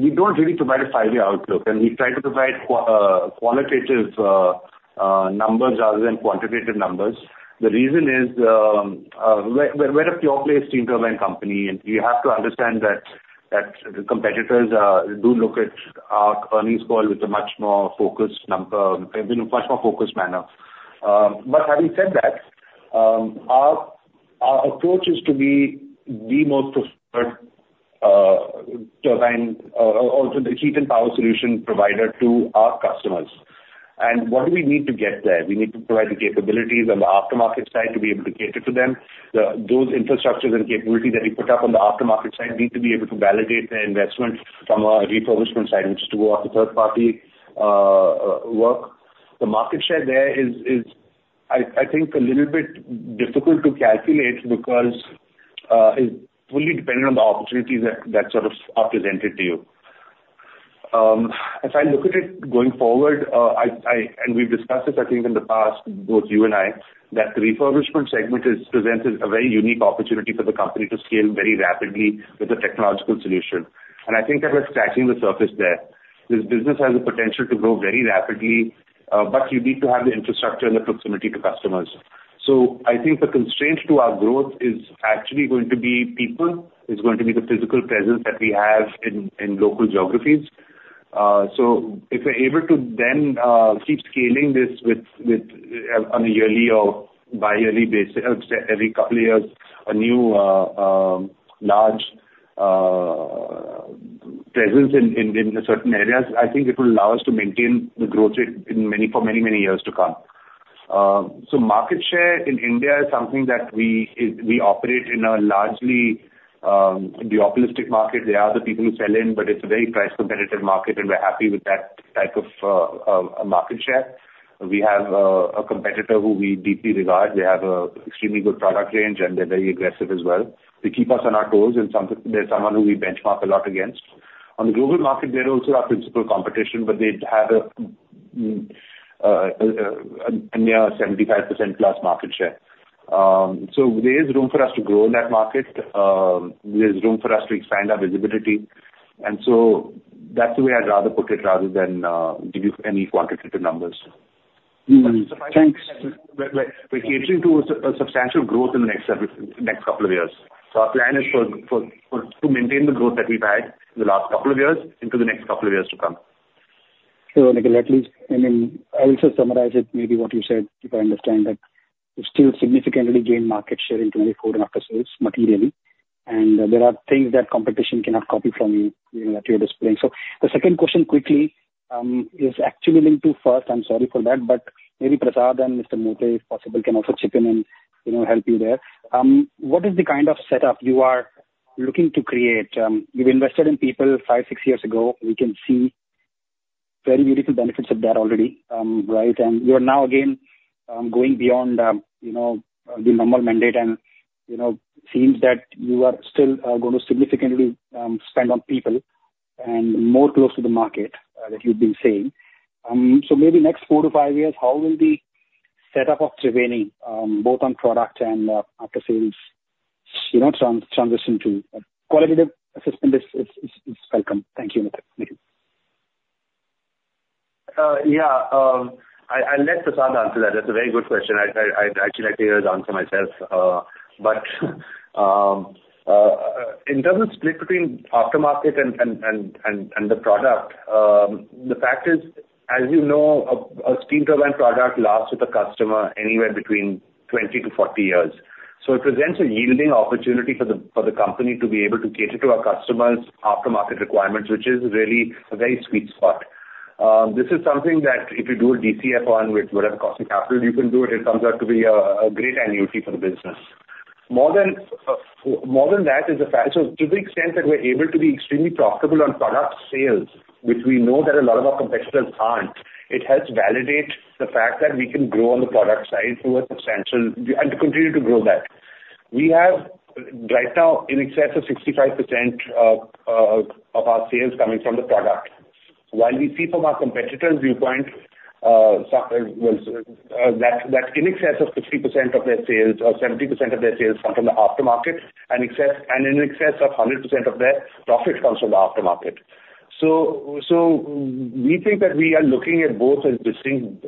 we don't really provide a five-year outlook, and we try to provide qualitative numbers rather than quantitative numbers. The reason is, we're a pure play steam turbine company, and you have to understand that, that the competitors do look at our earnings call with a much more focused number, in a much more focused manner. But having said that, our approach is to be the most preferred turbine or the heat and power solution provider to our customers. And what do we need to get there? We need to provide the capabilities on the aftermarket side to be able to cater to them. Those infrastructures and capabilities that we put up on the aftermarket side need to be able to validate their investment from a refurbishment side, which is to go after third party work. The market share there is, I think, a little bit difficult to calculate because it's fully dependent on the opportunities that sort of are presented to you. As I look at it going forward, and we've discussed this, I think, in the past, both you and I, that the refurbishment segment presents a very unique opportunity for the company to scale very rapidly with a technological solution. And I think that we're scratching the surface there. This business has the potential to grow very rapidly, but you need to have the infrastructure and the proximity to customers. So I think the constraint to our growth is actually going to be people. It's going to be the physical presence that we have in local geographies. So if we're able to then keep scaling this with on a yearly or bi-yearly basis, every couple of years, a new large presence in certain areas, I think it will allow us to maintain the growth rate in many, for many, many years to come. So market share in India is something that we operate in a largely duopolistic market. There are other people who sell in, but it's a very price competitive market, and we're happy with that type of market share. We have a competitor who we deeply regard. They have a extremely good product range, and they're very aggressive as well. They keep us on our toes and they're someone who we benchmark a lot against. On the global market, they're also our principal competition, but they have a, a near 75% plus market share. So there is room for us to grow in that market. There's room for us to expand our visibility, and so that's the way I'd rather put it, rather than, give you any quantitative numbers. Mm, thanks. We're catering to a substantial growth in the next couple of years. So our plan is to maintain the growth that we've had in the last couple of years into the next couple of years to come. So, Nikhil, at least, I mean, I'll just summarize it, maybe what you said, if I understand, that you still significantly gain market share in 2024 aftersales materially, and there are things that competition cannot copy from you, you know, that you're displaying. So the second question quickly, is actually linked to first. I'm sorry for that, but maybe Prasad and Mr. Mote, if possible, can also chip in and, you know, help you there. What is the kind of setup you are looking to create? You've invested in people five, six years ago. We can see very beautiful benefits of that already, right? And you are now again, going beyond, you know, the normal mandate and, you know, seems that you are still, going to significantly, spend on people and more close to the market, that you've been saying. So maybe next 4-5 years, how will the setup of Triveni both on product and aftersales, you know, transition to? Qualitative assessment is welcome. Thank you, Nikhil. Yeah. I'll let Prasad answer that. That's a very good question. I'd actually like to hear his answer myself. But in terms of split between aftermarket and the product, the fact is, as you know, a steam turbine product lasts with a customer anywhere between 20-40 years. So it presents a yielding opportunity for the company to be able to cater to our customers' aftermarket requirements, which is really a very sweet spot. This is something that if you do a DCF on with whatever cost of capital you can do it, it comes out to be a great annuity for the business. More than that is the fact, so to the extent that we're able to be extremely profitable on product sales, which we know that a lot of our competitors can't, it helps validate the fact that we can grow on the product side to a substantial, and to continue to grow that. We have, right now, in excess of 65% of our sales coming from the product. While we see from our competitors' viewpoint, in excess of 50% of their sales or 70% of their sales come from the aftermarket, and in excess of 100% of their profit comes from the aftermarket. So we think that we are looking at both as distinct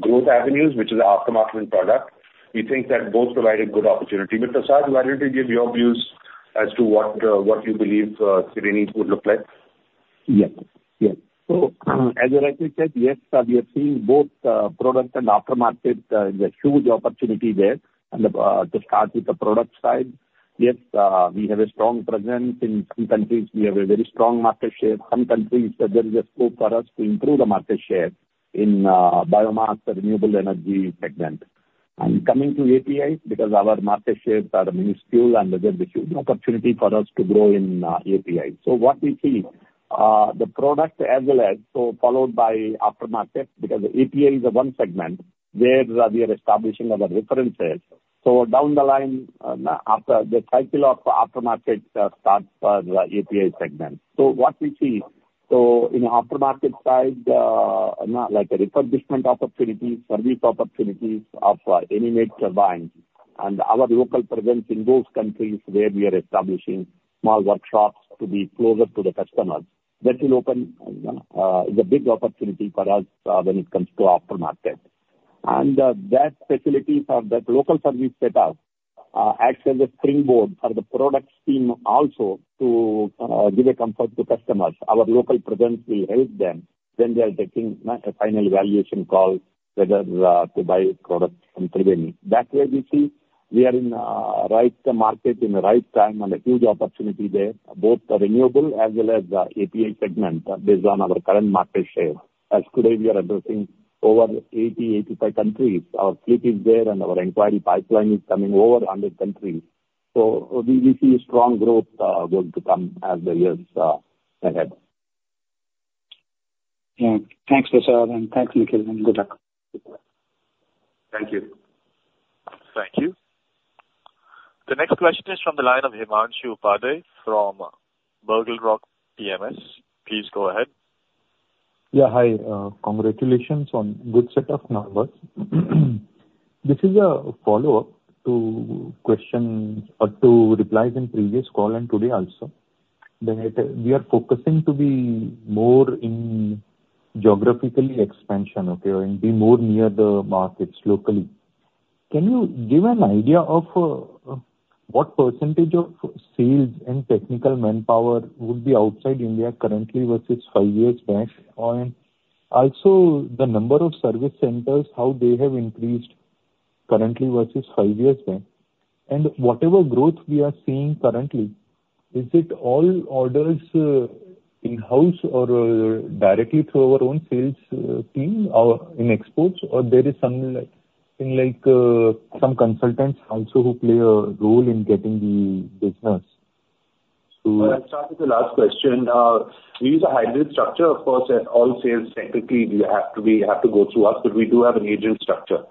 growth avenues, which is aftermarket and product. We think that both provide a good opportunity. Prasad, why don't you give your views as to what you believe Triveni would look like? Yes. Yes. So as rightly said, yes, we are seeing both, product and aftermarket, there's huge opportunity there. And, to start with the product side, yes, we have a strong presence in some countries, we have a very strong market share. Some countries, there is a scope for us to improve the market share in, biomass and renewable energy segment. And coming to APIs, because our market shares are minuscule, and there's a huge opportunity for us to grow in, API. So what we see, the product as well as, so followed by aftermarket, because API is the one segment where we are establishing our references. So down the line, after the cycle of aftermarket, starts for the API segment. So what we see, so in aftermarket side, not like a refurbishment opportunities, service opportunities of installed turbines. And our local presence in those countries where we are establishing small workshops to be closer to the customers, that will open the big opportunity for us when it comes to aftermarket. And that facilities or that local service setup acts as a springboard for the products team also to give a comfort to customers. Our local presence will help them when they are taking a final valuation call, whether to buy products from Triveni. That way, we see we are in right market, in the right time, and a huge opportunity there, both the renewable as well as the API segment, based on our current market share. As today, we are addressing over 80-85 countries. Our fleet is there, and our inquiry pipeline is coming over 100 countries. So we see strong growth going to come as the years ahead. Yeah. Thanks, Prasad, and thanks, Nikhil, and good luck. Thank you. Thank you. The next question is from the line of Himanshu Upadhyay from O3 Capital. Please go ahead. Yeah, hi. Congratulations on good set of numbers. This is a follow-up to questions or to replies in previous call and today also, that we are focusing to be more in geographically expansion, okay, and be more near the markets locally. Can you give an idea of what percentage of sales and technical manpower would be outside India currently versus five years back? And also, the number of service centers, how they have increased currently versus five years back. And whatever growth we are seeing currently, is it all orders in-house or directly through our own sales team or in exports, or there is something like some consultants also who play a role in getting the business to- I'll start with the last question. We use a hybrid structure, of course, and all sales technically have to go through us. But we do have an agent structure,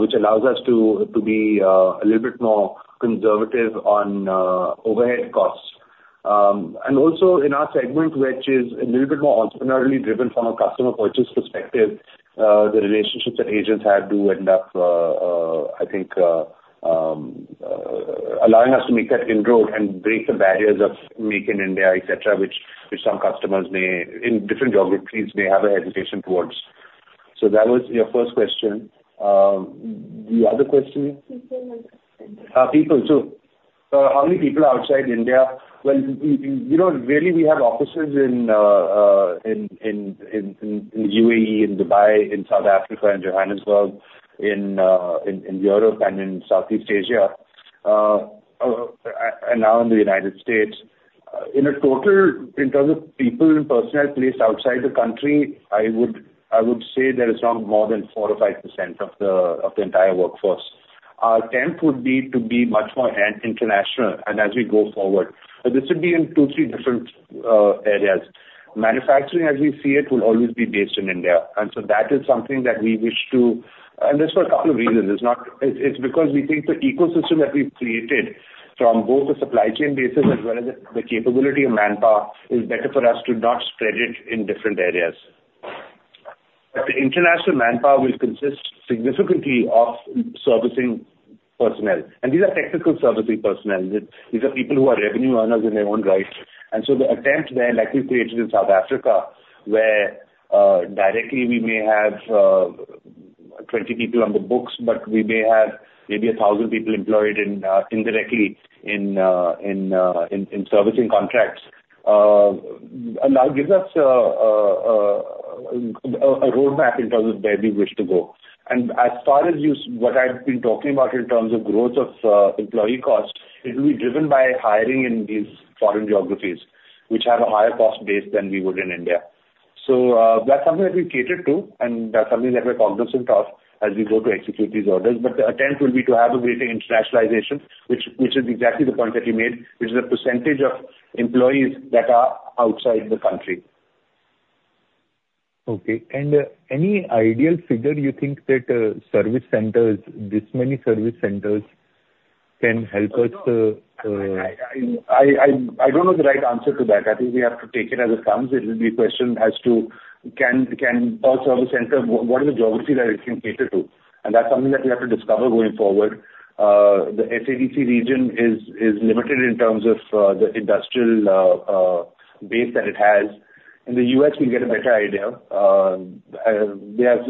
which allows us to be a little bit more conservative on overhead costs. And also in our segment, which is a little bit more entrepreneurially driven from a customer purchase perspective, the relationships that agents have do end up, I think, allowing us to make that inroad and break the barriers of Make in India, et cetera, which some customers may, in different geographies, have a hesitation towards. So that was your first question. The other question? People. People. So, how many people are outside India? Well, you know, really, we have offices in UAE, in Dubai, in South Africa, in Johannesburg, in Europe and in Southeast Asia, and now in the United States. In total, in terms of people and personnel placed outside the country, I would say that it's not more than 4% or 5% of the entire workforce. Our attempt would be to be much more an international, and as we go forward. This would be in two, three different areas. Manufacturing, as we see it, will always be based in India, and so that is something that we wish to... That's for a couple of reasons. It's because we think the ecosystem that we've created from both the supply chain basis as well as the capability of manpower is better for us to not spread it in different areas. But the international manpower will consist significantly of servicing personnel, and these are technical servicing personnel. These are people who are revenue earners in their own right. And so the attempt there, like we created in South Africa, where directly we may have 20 people on the books, but we may have maybe 1,000 people employed indirectly in servicing contracts, and that gives us a roadmap in terms of where we wish to go. And as far as you—what I've been talking about in terms of growth of employee costs, it will be driven by hiring in these foreign geographies, which have a higher cost base than we would in India. So, that's something that we catered to, and that's something that we're cognizant of as we go to execute these orders. But the attempt will be to have a greater internationalization, which, which is exactly the point that you made, which is the percentage of employees that are outside the country. Okay. And, any ideal figure you think that, service centers, this many service centers can help us, I don't know the right answer to that. I think we have to take it as it comes. It will be a question as to can our service center, what are the geographies that it can cater to? And that's something that we have to discover going forward. The SADC region is limited in terms of the industrial base that it has. In the U.S., we'll get a better idea. There are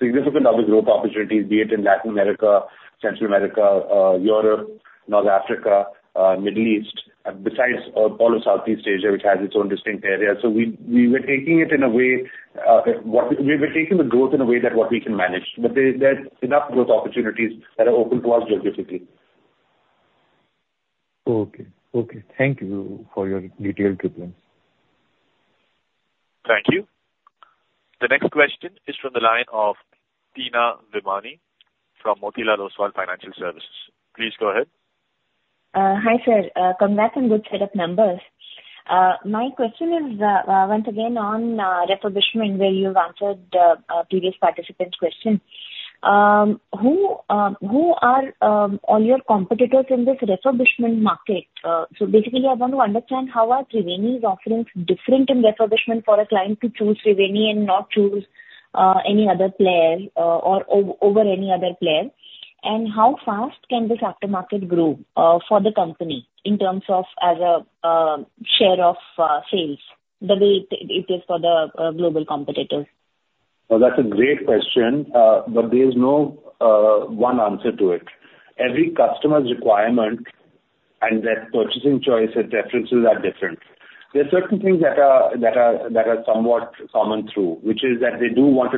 significant number of growth opportunities, be it in Latin America, Central America, Europe, North Africa, Middle East, besides all of Southeast Asia, which has its own distinct area. So we were taking it in a way, what we were taking the growth in a way that what we can manage, but there's enough growth opportunities that are open to us geographically. Okay. Okay, thank you for your detailed response. Thank you. The next question is from the line of Teena Virmani from Motilal Oswal Financial Services. Please go ahead. Hi, sir. Congrats on good set of numbers. My question is, once again on, refurbishment, where you've answered a previous participant's question. Who are all your competitors in this refurbishment market? So basically, I want to understand how are Triveni's offerings different in refurbishment for a client to choose Triveni and not choose any other player, or over any other player? And how fast can this aftermarket grow for the company in terms of as a share of sales, the way it is for the global competitors? Well, that's a great question. But there's no one answer to it. Every customer's requirement and their purchasing choice and preferences are different. There are certain things that are somewhat common through, which is that they do want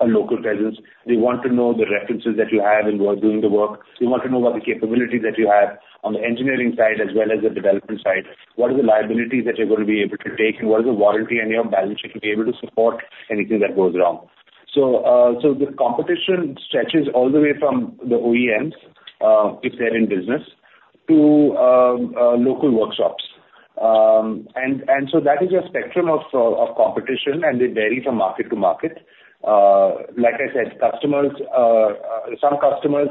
a local presence. They want to know the references that you have in while doing the work. They want to know about the capability that you have on the engineering side, as well as the development side. What are the liabilities that you're going to be able to take? And what is the warranty and your balance sheet to be able to support anything that goes wrong? So, the competition stretches all the way from the OEMs, if they're in business, to local workshops. And so that is a spectrum of competition, and it varies from market to market. Like I said, customers, some customers,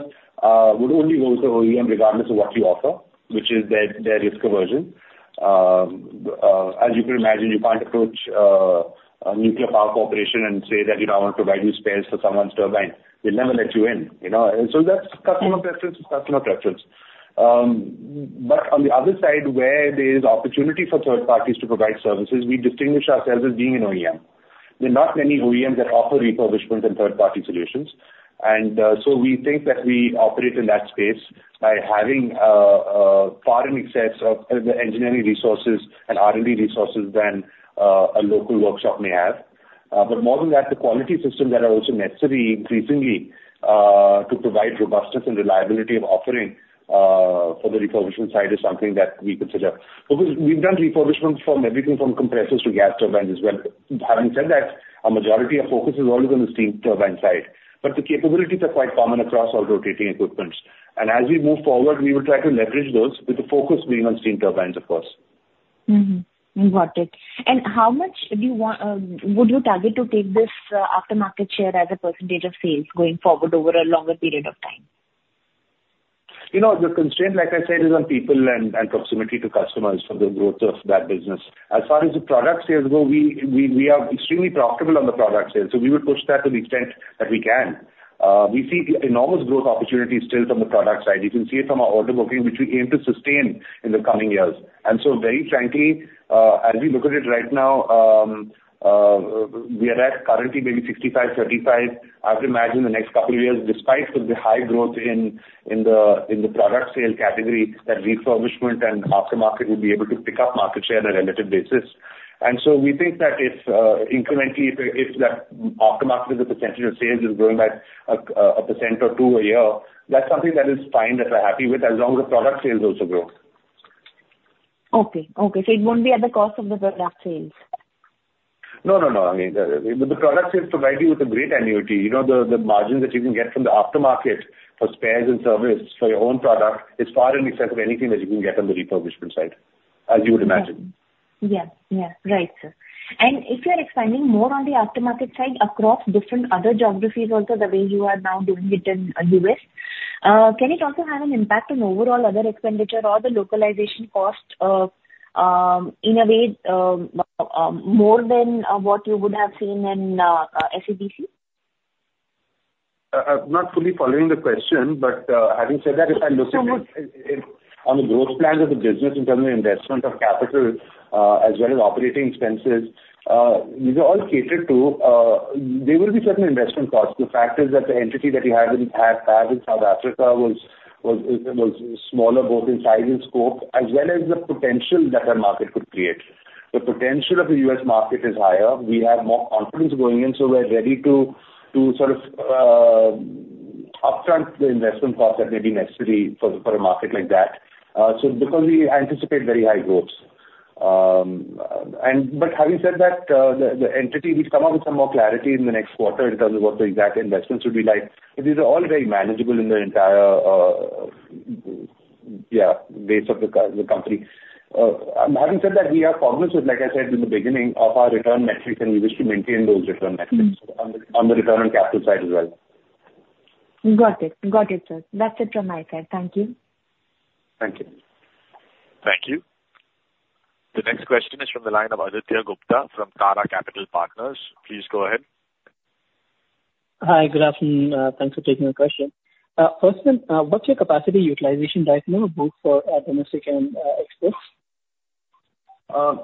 would only go with the OEM regardless of what you offer, which is their, their risk aversion. As you can imagine, you can't approach a nuclear power corporation and say that, "You know, I want to provide you spares for someone's turbine." They'll never let you in, you know? And so that's customer preference is customer preference. But on the other side, where there is opportunity for third parties to provide services, we distinguish ourselves as being an OEM. There are not many OEMs that offer refurbishment and third-party solutions. So we think that we operate in that space by having far in excess of the engineering resources and R&D resources than a local workshop may have. But more than that, the quality systems that are also necessary increasingly to provide robustness and reliability of offering for the refurbishment side is something that we consider. Because we've done refurbishment from everything from compressors to gas turbines as well. Having said that, a majority of focus is always on the steam turbine side, but the capabilities are quite common across all rotating equipments. As we move forward, we will try to leverage those, with the focus being on steam turbines, of course. Mm-hmm. Got it. And how much would you target to take this aftermarket share as a percentage of sales going forward over a longer period of time? You know, the constraint, like I said, is on people and proximity to customers for the growth of that business. As far as the product sales go, we are extremely profitable on the product sales, so we would push that to the extent that we can. We see enormous growth opportunities still from the product side. You can see it from our order booking, which we aim to sustain in the coming years. And so very frankly, as we look at it right now, we are at currently maybe 65-35. I would imagine in the next couple of years, despite of the high growth in the product sale category, that refurbishment and aftermarket will be able to pick up market share on a relative basis. So we think that if incrementally that aftermarket as a percentage of sales is growing at 1% or 2% a year, that's something that is fine, that we're happy with, as long as the product sales also grow. Okay. Okay, so it won't be at the cost of the product sales? No, no, no. I mean, the product sales provide you with a great annuity. You know, the margins that you can get from the aftermarket for spares and service for your own product is far in excess of anything that you can get on the refurbishment side, as you would imagine. Yeah. Yeah, right, sir. And if you are expanding more on the aftermarket side across different other geographies also, the way you are now doing it in, U.S., can it also have an impact on overall other expenditure or the localization costs, in a way, more than, what you would have seen in, SADC? I'm not fully following the question, but, having said that, if I look at it- Sure, sure. On the growth plans of the business in terms of investment of capital, as well as operating expenses, these are all catered to. There will be certain investment costs. The fact is that the entity that we had in the past had in South Africa was smaller both in size and scope, as well as the potential that our market could create. The potential of the U.S. market is higher. We have more confidence going in, so we're ready to sort of upfront the investment cost that may be necessary for a market like that, so because we anticipate very high growth. And but having said that, the entity, we'll come up with some more clarity in the next quarter in terms of what the exact investments will be like. But these are all very manageable in the entire base of the company. Having said that, we are cognizant, like I said in the beginning, of our return metrics, and we wish to maintain those return metrics- Mm. on the return on capital side as well. Got it. Got it, sir. That's it from my side. Thank you. Thank you. Thank you. The next question is from the line of Aditya Gupta from Tara Capital Partners. Please go ahead. Hi, good afternoon. Thanks for taking my question. First then, what's your capacity utilization right now, both for domestic and exports?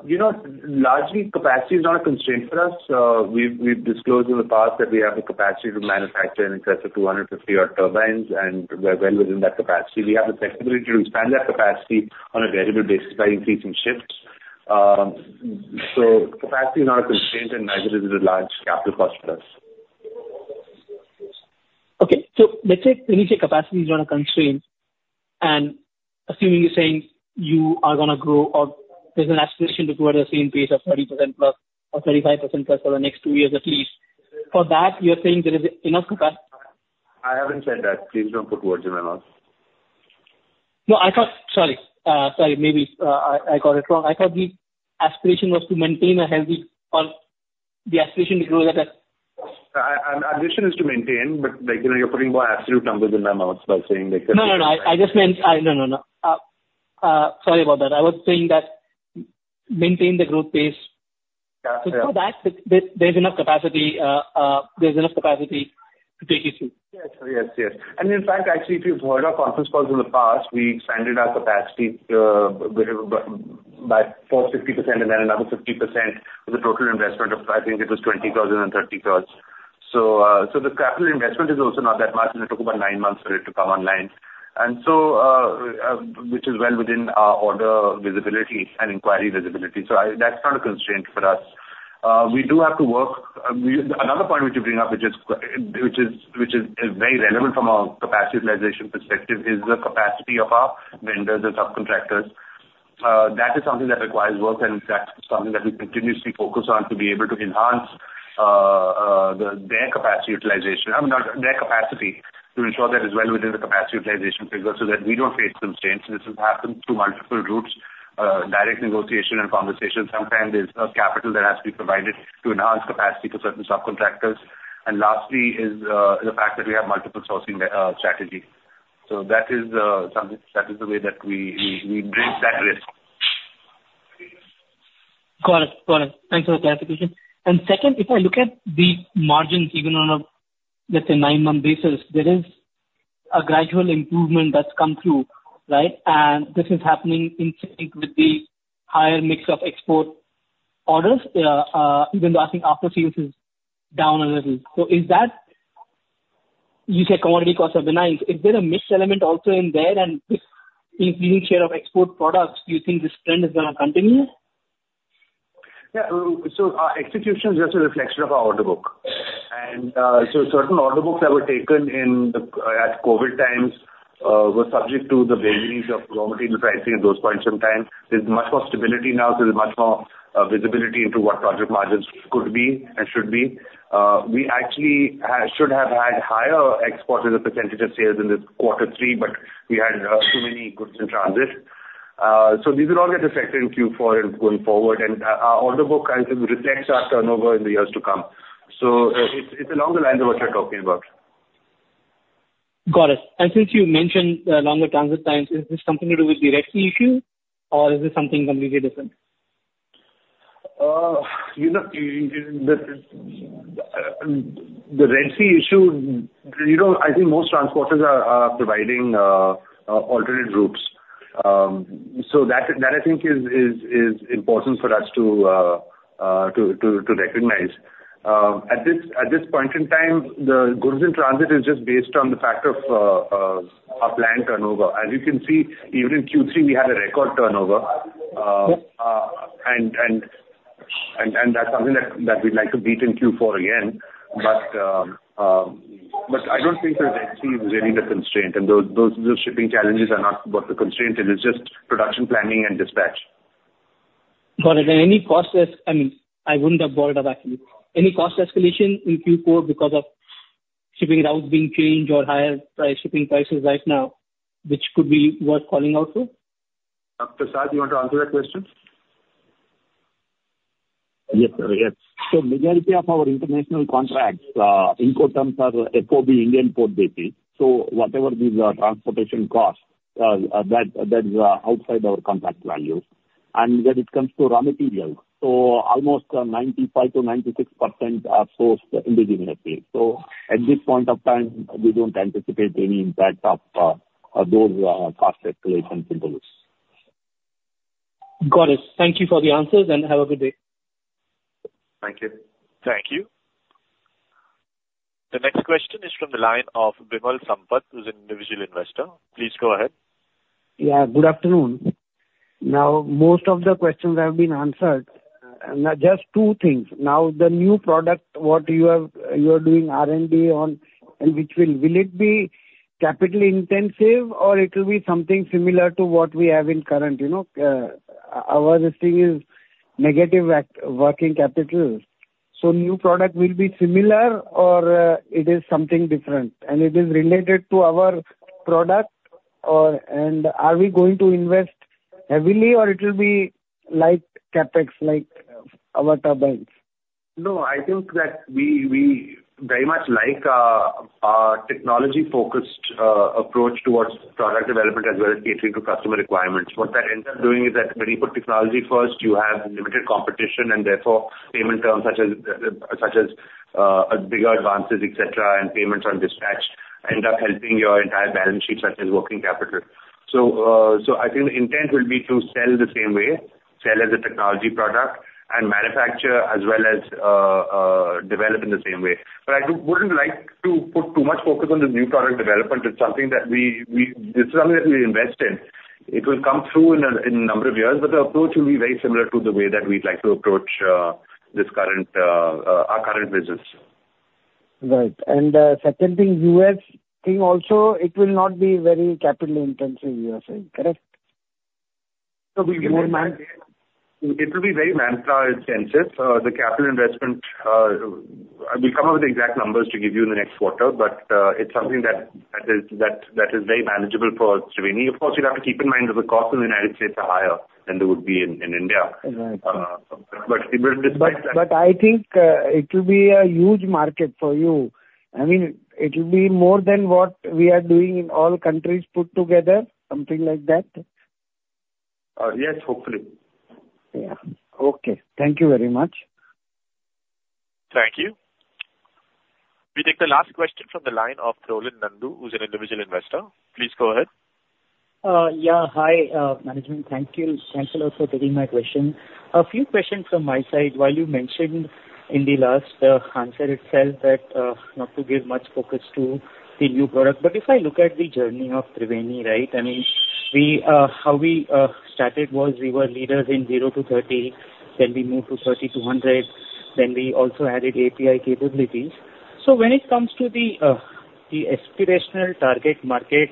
You know, largely capacity is not a constraint for us. We've disclosed in the past that we have the capacity to manufacture in excess of 250 odd turbines, and we're well within that capacity. We have the flexibility to expand that capacity on a variable basis by increasing shifts. So capacity is not a constraint and neither is it a large capital cost for us. Okay. So let's say, initially, capacity is not a constraint, and assuming you're saying you are gonna grow or there's an aspiration to grow at the same pace of 30%+ or 35%+ for the next 2 years at least, for that, you're saying there is enough capacity? I haven't said that. Please don't put words in my mouth. No, I thought... Sorry, sorry, maybe, I, I got it wrong. I thought the aspiration was to maintain a healthy or the aspiration to grow at a- Aspiration is to maintain, but, like, you know, you're putting more absolute numbers in my mouth by saying that- No, no, no. I just meant, No, no, no. Sorry about that. I was saying that maintain the growth pace. Yeah, yeah. So for that, there, there's enough capacity, there's enough capacity to take you through? Yes, sir. Yes, yes. And in fact, actually, if you've heard our conference calls in the past, we expanded our capacity by first 50% and then another 50% with a total investment of, I think it was 20,000 and 30,000. So the capital investment is also not that much, and it took about 9 months for it to come online. Which is well within our order visibility and inquiry visibility. So that's not a constraint for us. We do have to work. Another point which you bring up, which is which is, is very relevant from a capacity utilization perspective, is the capacity of our vendors or subcontractors. That is something that requires work, and that's something that we continuously focus on to be able to enhance their capacity utilization. I mean, not their capacity, to ensure that is well within the capacity utilization figure so that we don't face constraints. This has happened through multiple routes, direct negotiation and conversation. Sometimes there's capital that has to be provided to enhance capacity for certain subcontractors. And lastly is the fact that we have multiple sourcing strategy. So that is something that is the way that we bridge that risk. Got it. Got it. Thanks for the clarification. And second, if I look at the margins, even on a, let's say, nine-month basis, there is a gradual improvement that's come through, right? And this is happening in sync with the higher mix of export orders, even though I think after sales is down a little. So is that, you said commodity costs are benign. Is there a mix element also in there? And with increasing share of export products, do you think this trend is gonna continue? Yeah, so our execution is just a reflection of our order book. So certain order books that were taken in the at COVID times were subject to the vagaries of raw material pricing at those points in time. There's much more stability now, so there's much more visibility into what project margins could be and should be. We actually should have had higher exports as a percentage of sales in this quarter three, but we had too many goods in transit. So these will all get reflected in Q4 and going forward, and our order book kind of reflects our turnover in the years to come. So it's, it's along the lines of what you're talking about. Got it. And since you mentioned longer transit times, is this something to do with the Red Sea issue, or is this something completely different? You know, the Red Sea issue, you know, I think most transporters are providing alternate routes. So that I think is important for us to recognize. At this point in time, the goods in transit is just based on the fact of our planned turnover. As you can see, even in Q3, we had a record turnover. And that's something that we'd like to beat in Q4 again. But I don't think the Red Sea is really the constraint, and those shipping challenges are not what the constraint, it is just production planning and dispatch. Got it. And any cost escalation—I mean, I wouldn't have brought it up, actually. Any cost escalation in Q4 because of shipping routes being changed or higher price, shipping prices right now, which could be worth calling out to? Prasad, you want to answer that question? Yes, sir, yes. So majority of our international contracts, Incoterms are FOB Indian port basis. So whatever these are transportation costs, that is outside our contract values. And when it comes to raw materials, so almost 95%-96% are sourced indigenously. So at this point of time, we don't anticipate any impact of those cost escalation to those. Got it. Thank you for the answers, and have a good day. Thank you. Thank you. The next question is from the line of Vimal Sampat, who's an individual investor. Please go ahead.... Yeah, good afternoon. Now, most of the questions have been answered. Now, just two things. Now, the new product, what you have, you are doing R&D on, and which will—will it be capital intensive or it will be something similar to what we have in current? You know, our thing is negative net working capital. So new product will be similar or, it is something different, and it is related to our product? Or, and are we going to invest heavily, or it will be like CapEx, like our turbines? No, I think that we very much like our technology-focused approach towards product development as well as catering to customer requirements. What that ends up doing is that when you put technology first, you have limited competition, and therefore payment terms such as bigger advances, et cetera, and payments on dispatch end up helping your entire balance sheet, such as working capital. So I think the intent will be to sell the same way, sell as a technology product and manufacture as well as develop in the same way. But I wouldn't like to put too much focus on the new product development. It's something that we... This is something that we invest in. It will come through in a, in a number of years, but the approach will be very similar to the way that we'd like to approach this current our current business. Right. And, second thing, U.S. thing also, it will not be very capital intensive, you are saying, correct? So it will be very manpower intensive. The capital investment, we'll come up with the exact numbers to give you in the next quarter, but it's something that is very manageable for Triveni. Of course, you'll have to keep in mind that the costs in the United States are higher than they would be in India. Right. But it will- But, I think, it will be a huge market for you. I mean, it will be more than what we are doing in all countries put together, something like that? Yes, hopefully. Yeah. Okay. Thank you very much. Thank you. We take the last question from the line of Ronil Landu, who's an individual investor. Please go ahead. Yeah. Hi, management. Thank you. Thank you all for taking my question. A few questions from my side. While you mentioned in the last answer itself that not to give much focus to the new product, but if I look at the journey of Triveni, right? I mean, how we started was we were leaders in 0-30, then we moved to 30-100, then we also added API capabilities. So when it comes to the aspirational target market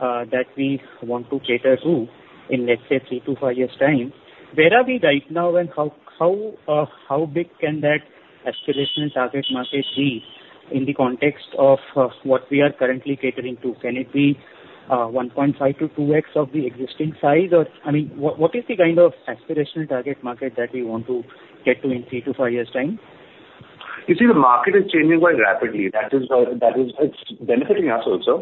that we want to cater to, in, let's say, 3-5 years' time, where are we right now? And how big can that aspirational target market be in the context of what we are currently catering to? Can it be 1.5-2x of the existing size? Or, I mean, what, what is the kind of aspirational target market that we want to get to in 3-5 years' time? You see, the market is changing quite rapidly. That is, that is, it's benefiting us also,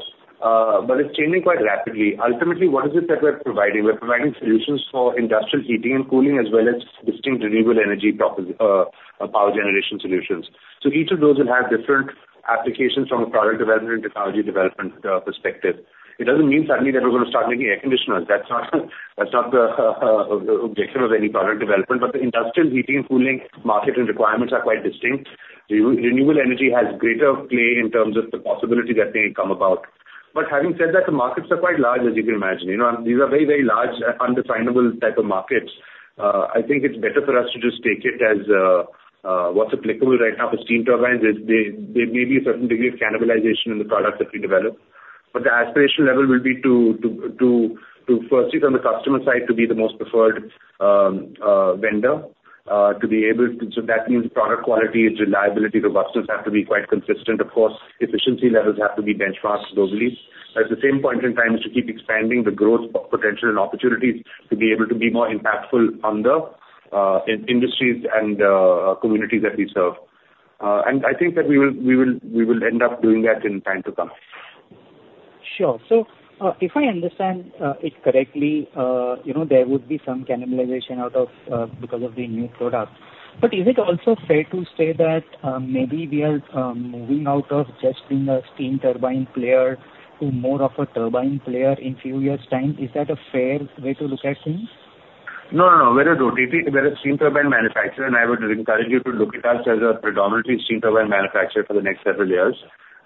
but it's changing quite rapidly. Ultimately, what is it that we're providing? We're providing solutions for industrial heating and cooling, as well as distinct renewable energy proposition, power generation solutions. So each of those will have different applications from a product development and technology development, perspective. It doesn't mean suddenly that we're going to start making air conditioners. That's not, that's not the objective of any product development. But the industrial heating and cooling market and requirements are quite distinct. Renewable energy has greater play in terms of the possibility that may come about. But having said that, the markets are quite large, as you can imagine. You know, these are very, very large, undefinable type of markets. I think it's better for us to just take it as what's applicable right now for steam turbines. Is they, there may be a certain degree of cannibalization in the products that we develop. But the aspirational level will be to firstly, from the customer side, to be the most preferred vendor, to be able to. So that means product quality, its reliability, robustness, have to be quite consistent. Of course, efficiency levels have to be benchmarked globally. At the same point in time, is to keep expanding the growth potential and opportunities to be able to be more impactful on the industries and communities that we serve. And I think that we will end up doing that in time to come. Sure. So, if I understand it correctly, you know, there would be some cannibalization out of because of the new product. But is it also fair to say that maybe we are moving out of just being a steam turbine player to more of a turbine player in few years' time? Is that a fair way to look at things? No, no, no. We're a rotary, we're a steam turbine manufacturer, and I would encourage you to look at us as a predominantly steam turbine manufacturer for the next several years.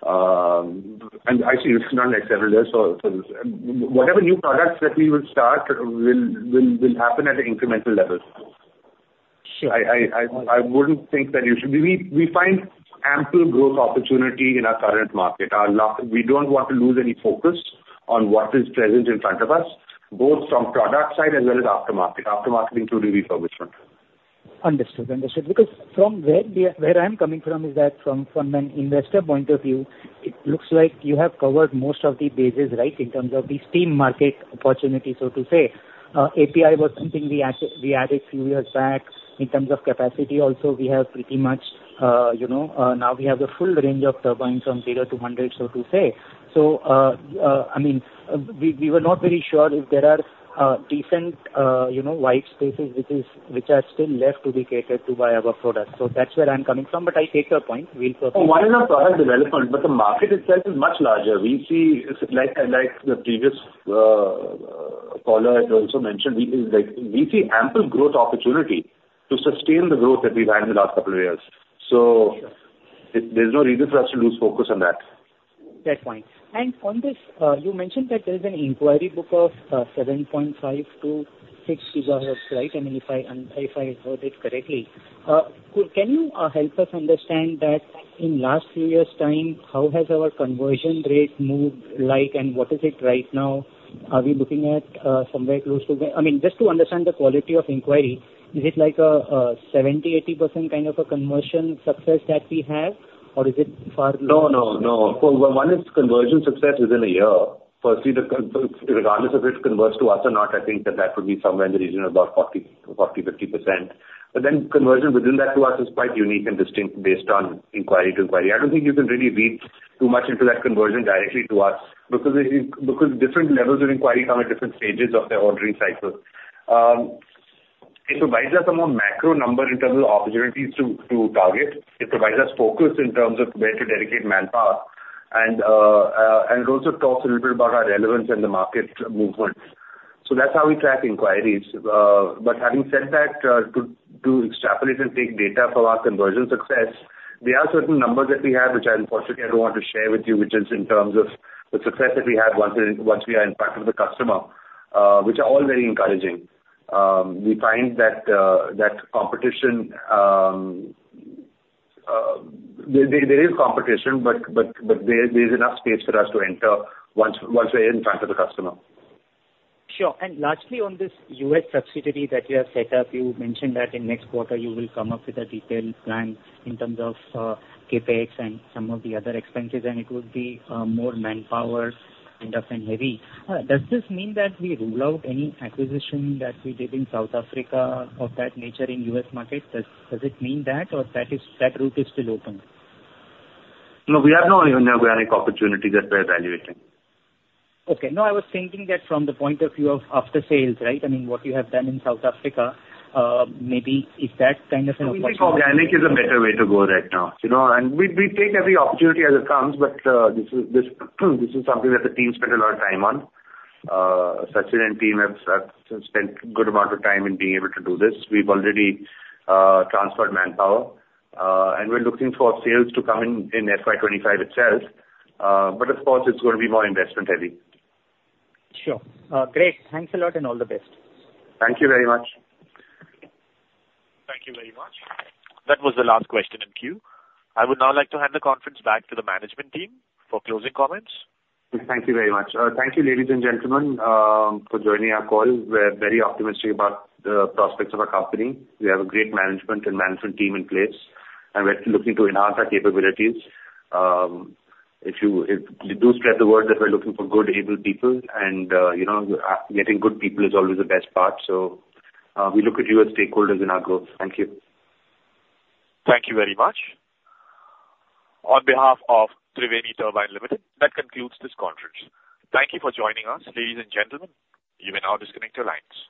Actually, it's not next several years. So whatever new products that we will start will happen at an incremental level. Sure. I wouldn't think that you should. We find ample growth opportunity in our current market. We don't want to lose any focus on what is present in front of us, both from product side as well as aftermarket. Aftermarket, including refurbishment. Understood. Understood. Because from where we are, where I'm coming from, is that from an investor point of view, it looks like you have covered most of the bases, right? In terms of the steam market opportunity, so to say. API was something we added few years back. In terms of capacity also, we have pretty much, you know, now we have the full range of turbines from 0-100, so to say. So, I mean, we were not very sure if there are decent, you know, wide spaces, which are still left to be catered to by our products. So that's where I'm coming from, but I take your point. We'll focus- Oh, one is our product development, but the market itself is much larger. We see, like, like the previous caller had also mentioned, we see ample growth opportunity to sustain the growth that we've had in the last couple of years. So... There's no reason for us to lose focus on that. Fair point. On this, you mentioned that there is an inquiry book of 7.5-6 gigawatts, right? I mean, if I heard it correctly. Could you help us understand that in last few years' time, how has our conversion rate moved, like, and what is it right now? Are we looking at somewhere close to where, I mean, just to understand the quality of inquiry, is it like a 70-80% kind of a conversion success that we have, or is it far- No, no, no. For one, it's conversion success within a year. Firstly, the con- regardless if it converts to us or not, I think that that would be somewhere in the region of about 40, 40, 50%. But then conversion within that to us is quite unique and distinct based on inquiry to inquiry. I don't think you can really read too much into that conversion directly to us, because it, because different levels of inquiry come at different stages of their ordering cycle. It provides us a more macro number in terms of opportunities to, to target. It provides us focus in terms of where to dedicate manpower and, and it also talks a little bit about our relevance in the market movements. So that's how we track inquiries. But having said that, to extrapolate and take data for our conversion success, we have certain numbers that we have, which unfortunately I don't want to share with you, which is in terms of the success that we have once we are in front of the customer, which are all very encouraging. We find that that competition, there is competition, but there is enough space for us to enter once we're in front of the customer. Sure. And lastly, on this U.S. subsidiary that you have set up, you mentioned that in next quarter you will come up with a detailed plan in terms of, CapEx and some of the other expenses, and it would be, more manpower kind of and heavy. Does this mean that we rule out any acquisition that we did in South Africa of that nature in U.S. market? Does it mean that, or that route is still open? No, we are not ruling out organic opportunity that we're evaluating. Okay. No, I was thinking that from the point of view of after sales, right? I mean, what you have done in South Africa, maybe is that kind of an approach? We think organic is a better way to go right now, you know, and we take every opportunity as it comes, but this is something that the team spent a lot of time on. Sachin and team have spent good amount of time in being able to do this. We've already transferred manpower, and we're looking for sales to come in, in FY 2025 itself. But of course, it's going to be more investment heavy. Sure. Great. Thanks a lot, and all the best. Thank you very much. Thank you very much. That was the last question in queue. I would now like to hand the conference back to the management team for closing comments. Thank you very much. Thank you, ladies and gentlemen, for joining our call. We're very optimistic about the prospects of our company. We have a great management and management team in place, and we're looking to enhance our capabilities. If you, if you do spread the word that we're looking for good, able people and, you know, getting good people is always the best part. So, we look at you as stakeholders in our growth. Thank you. Thank you very much. On behalf of Triveni Turbine Limited, that concludes this conference. Thank you for joining us, ladies and gentlemen. You may now disconnect your lines.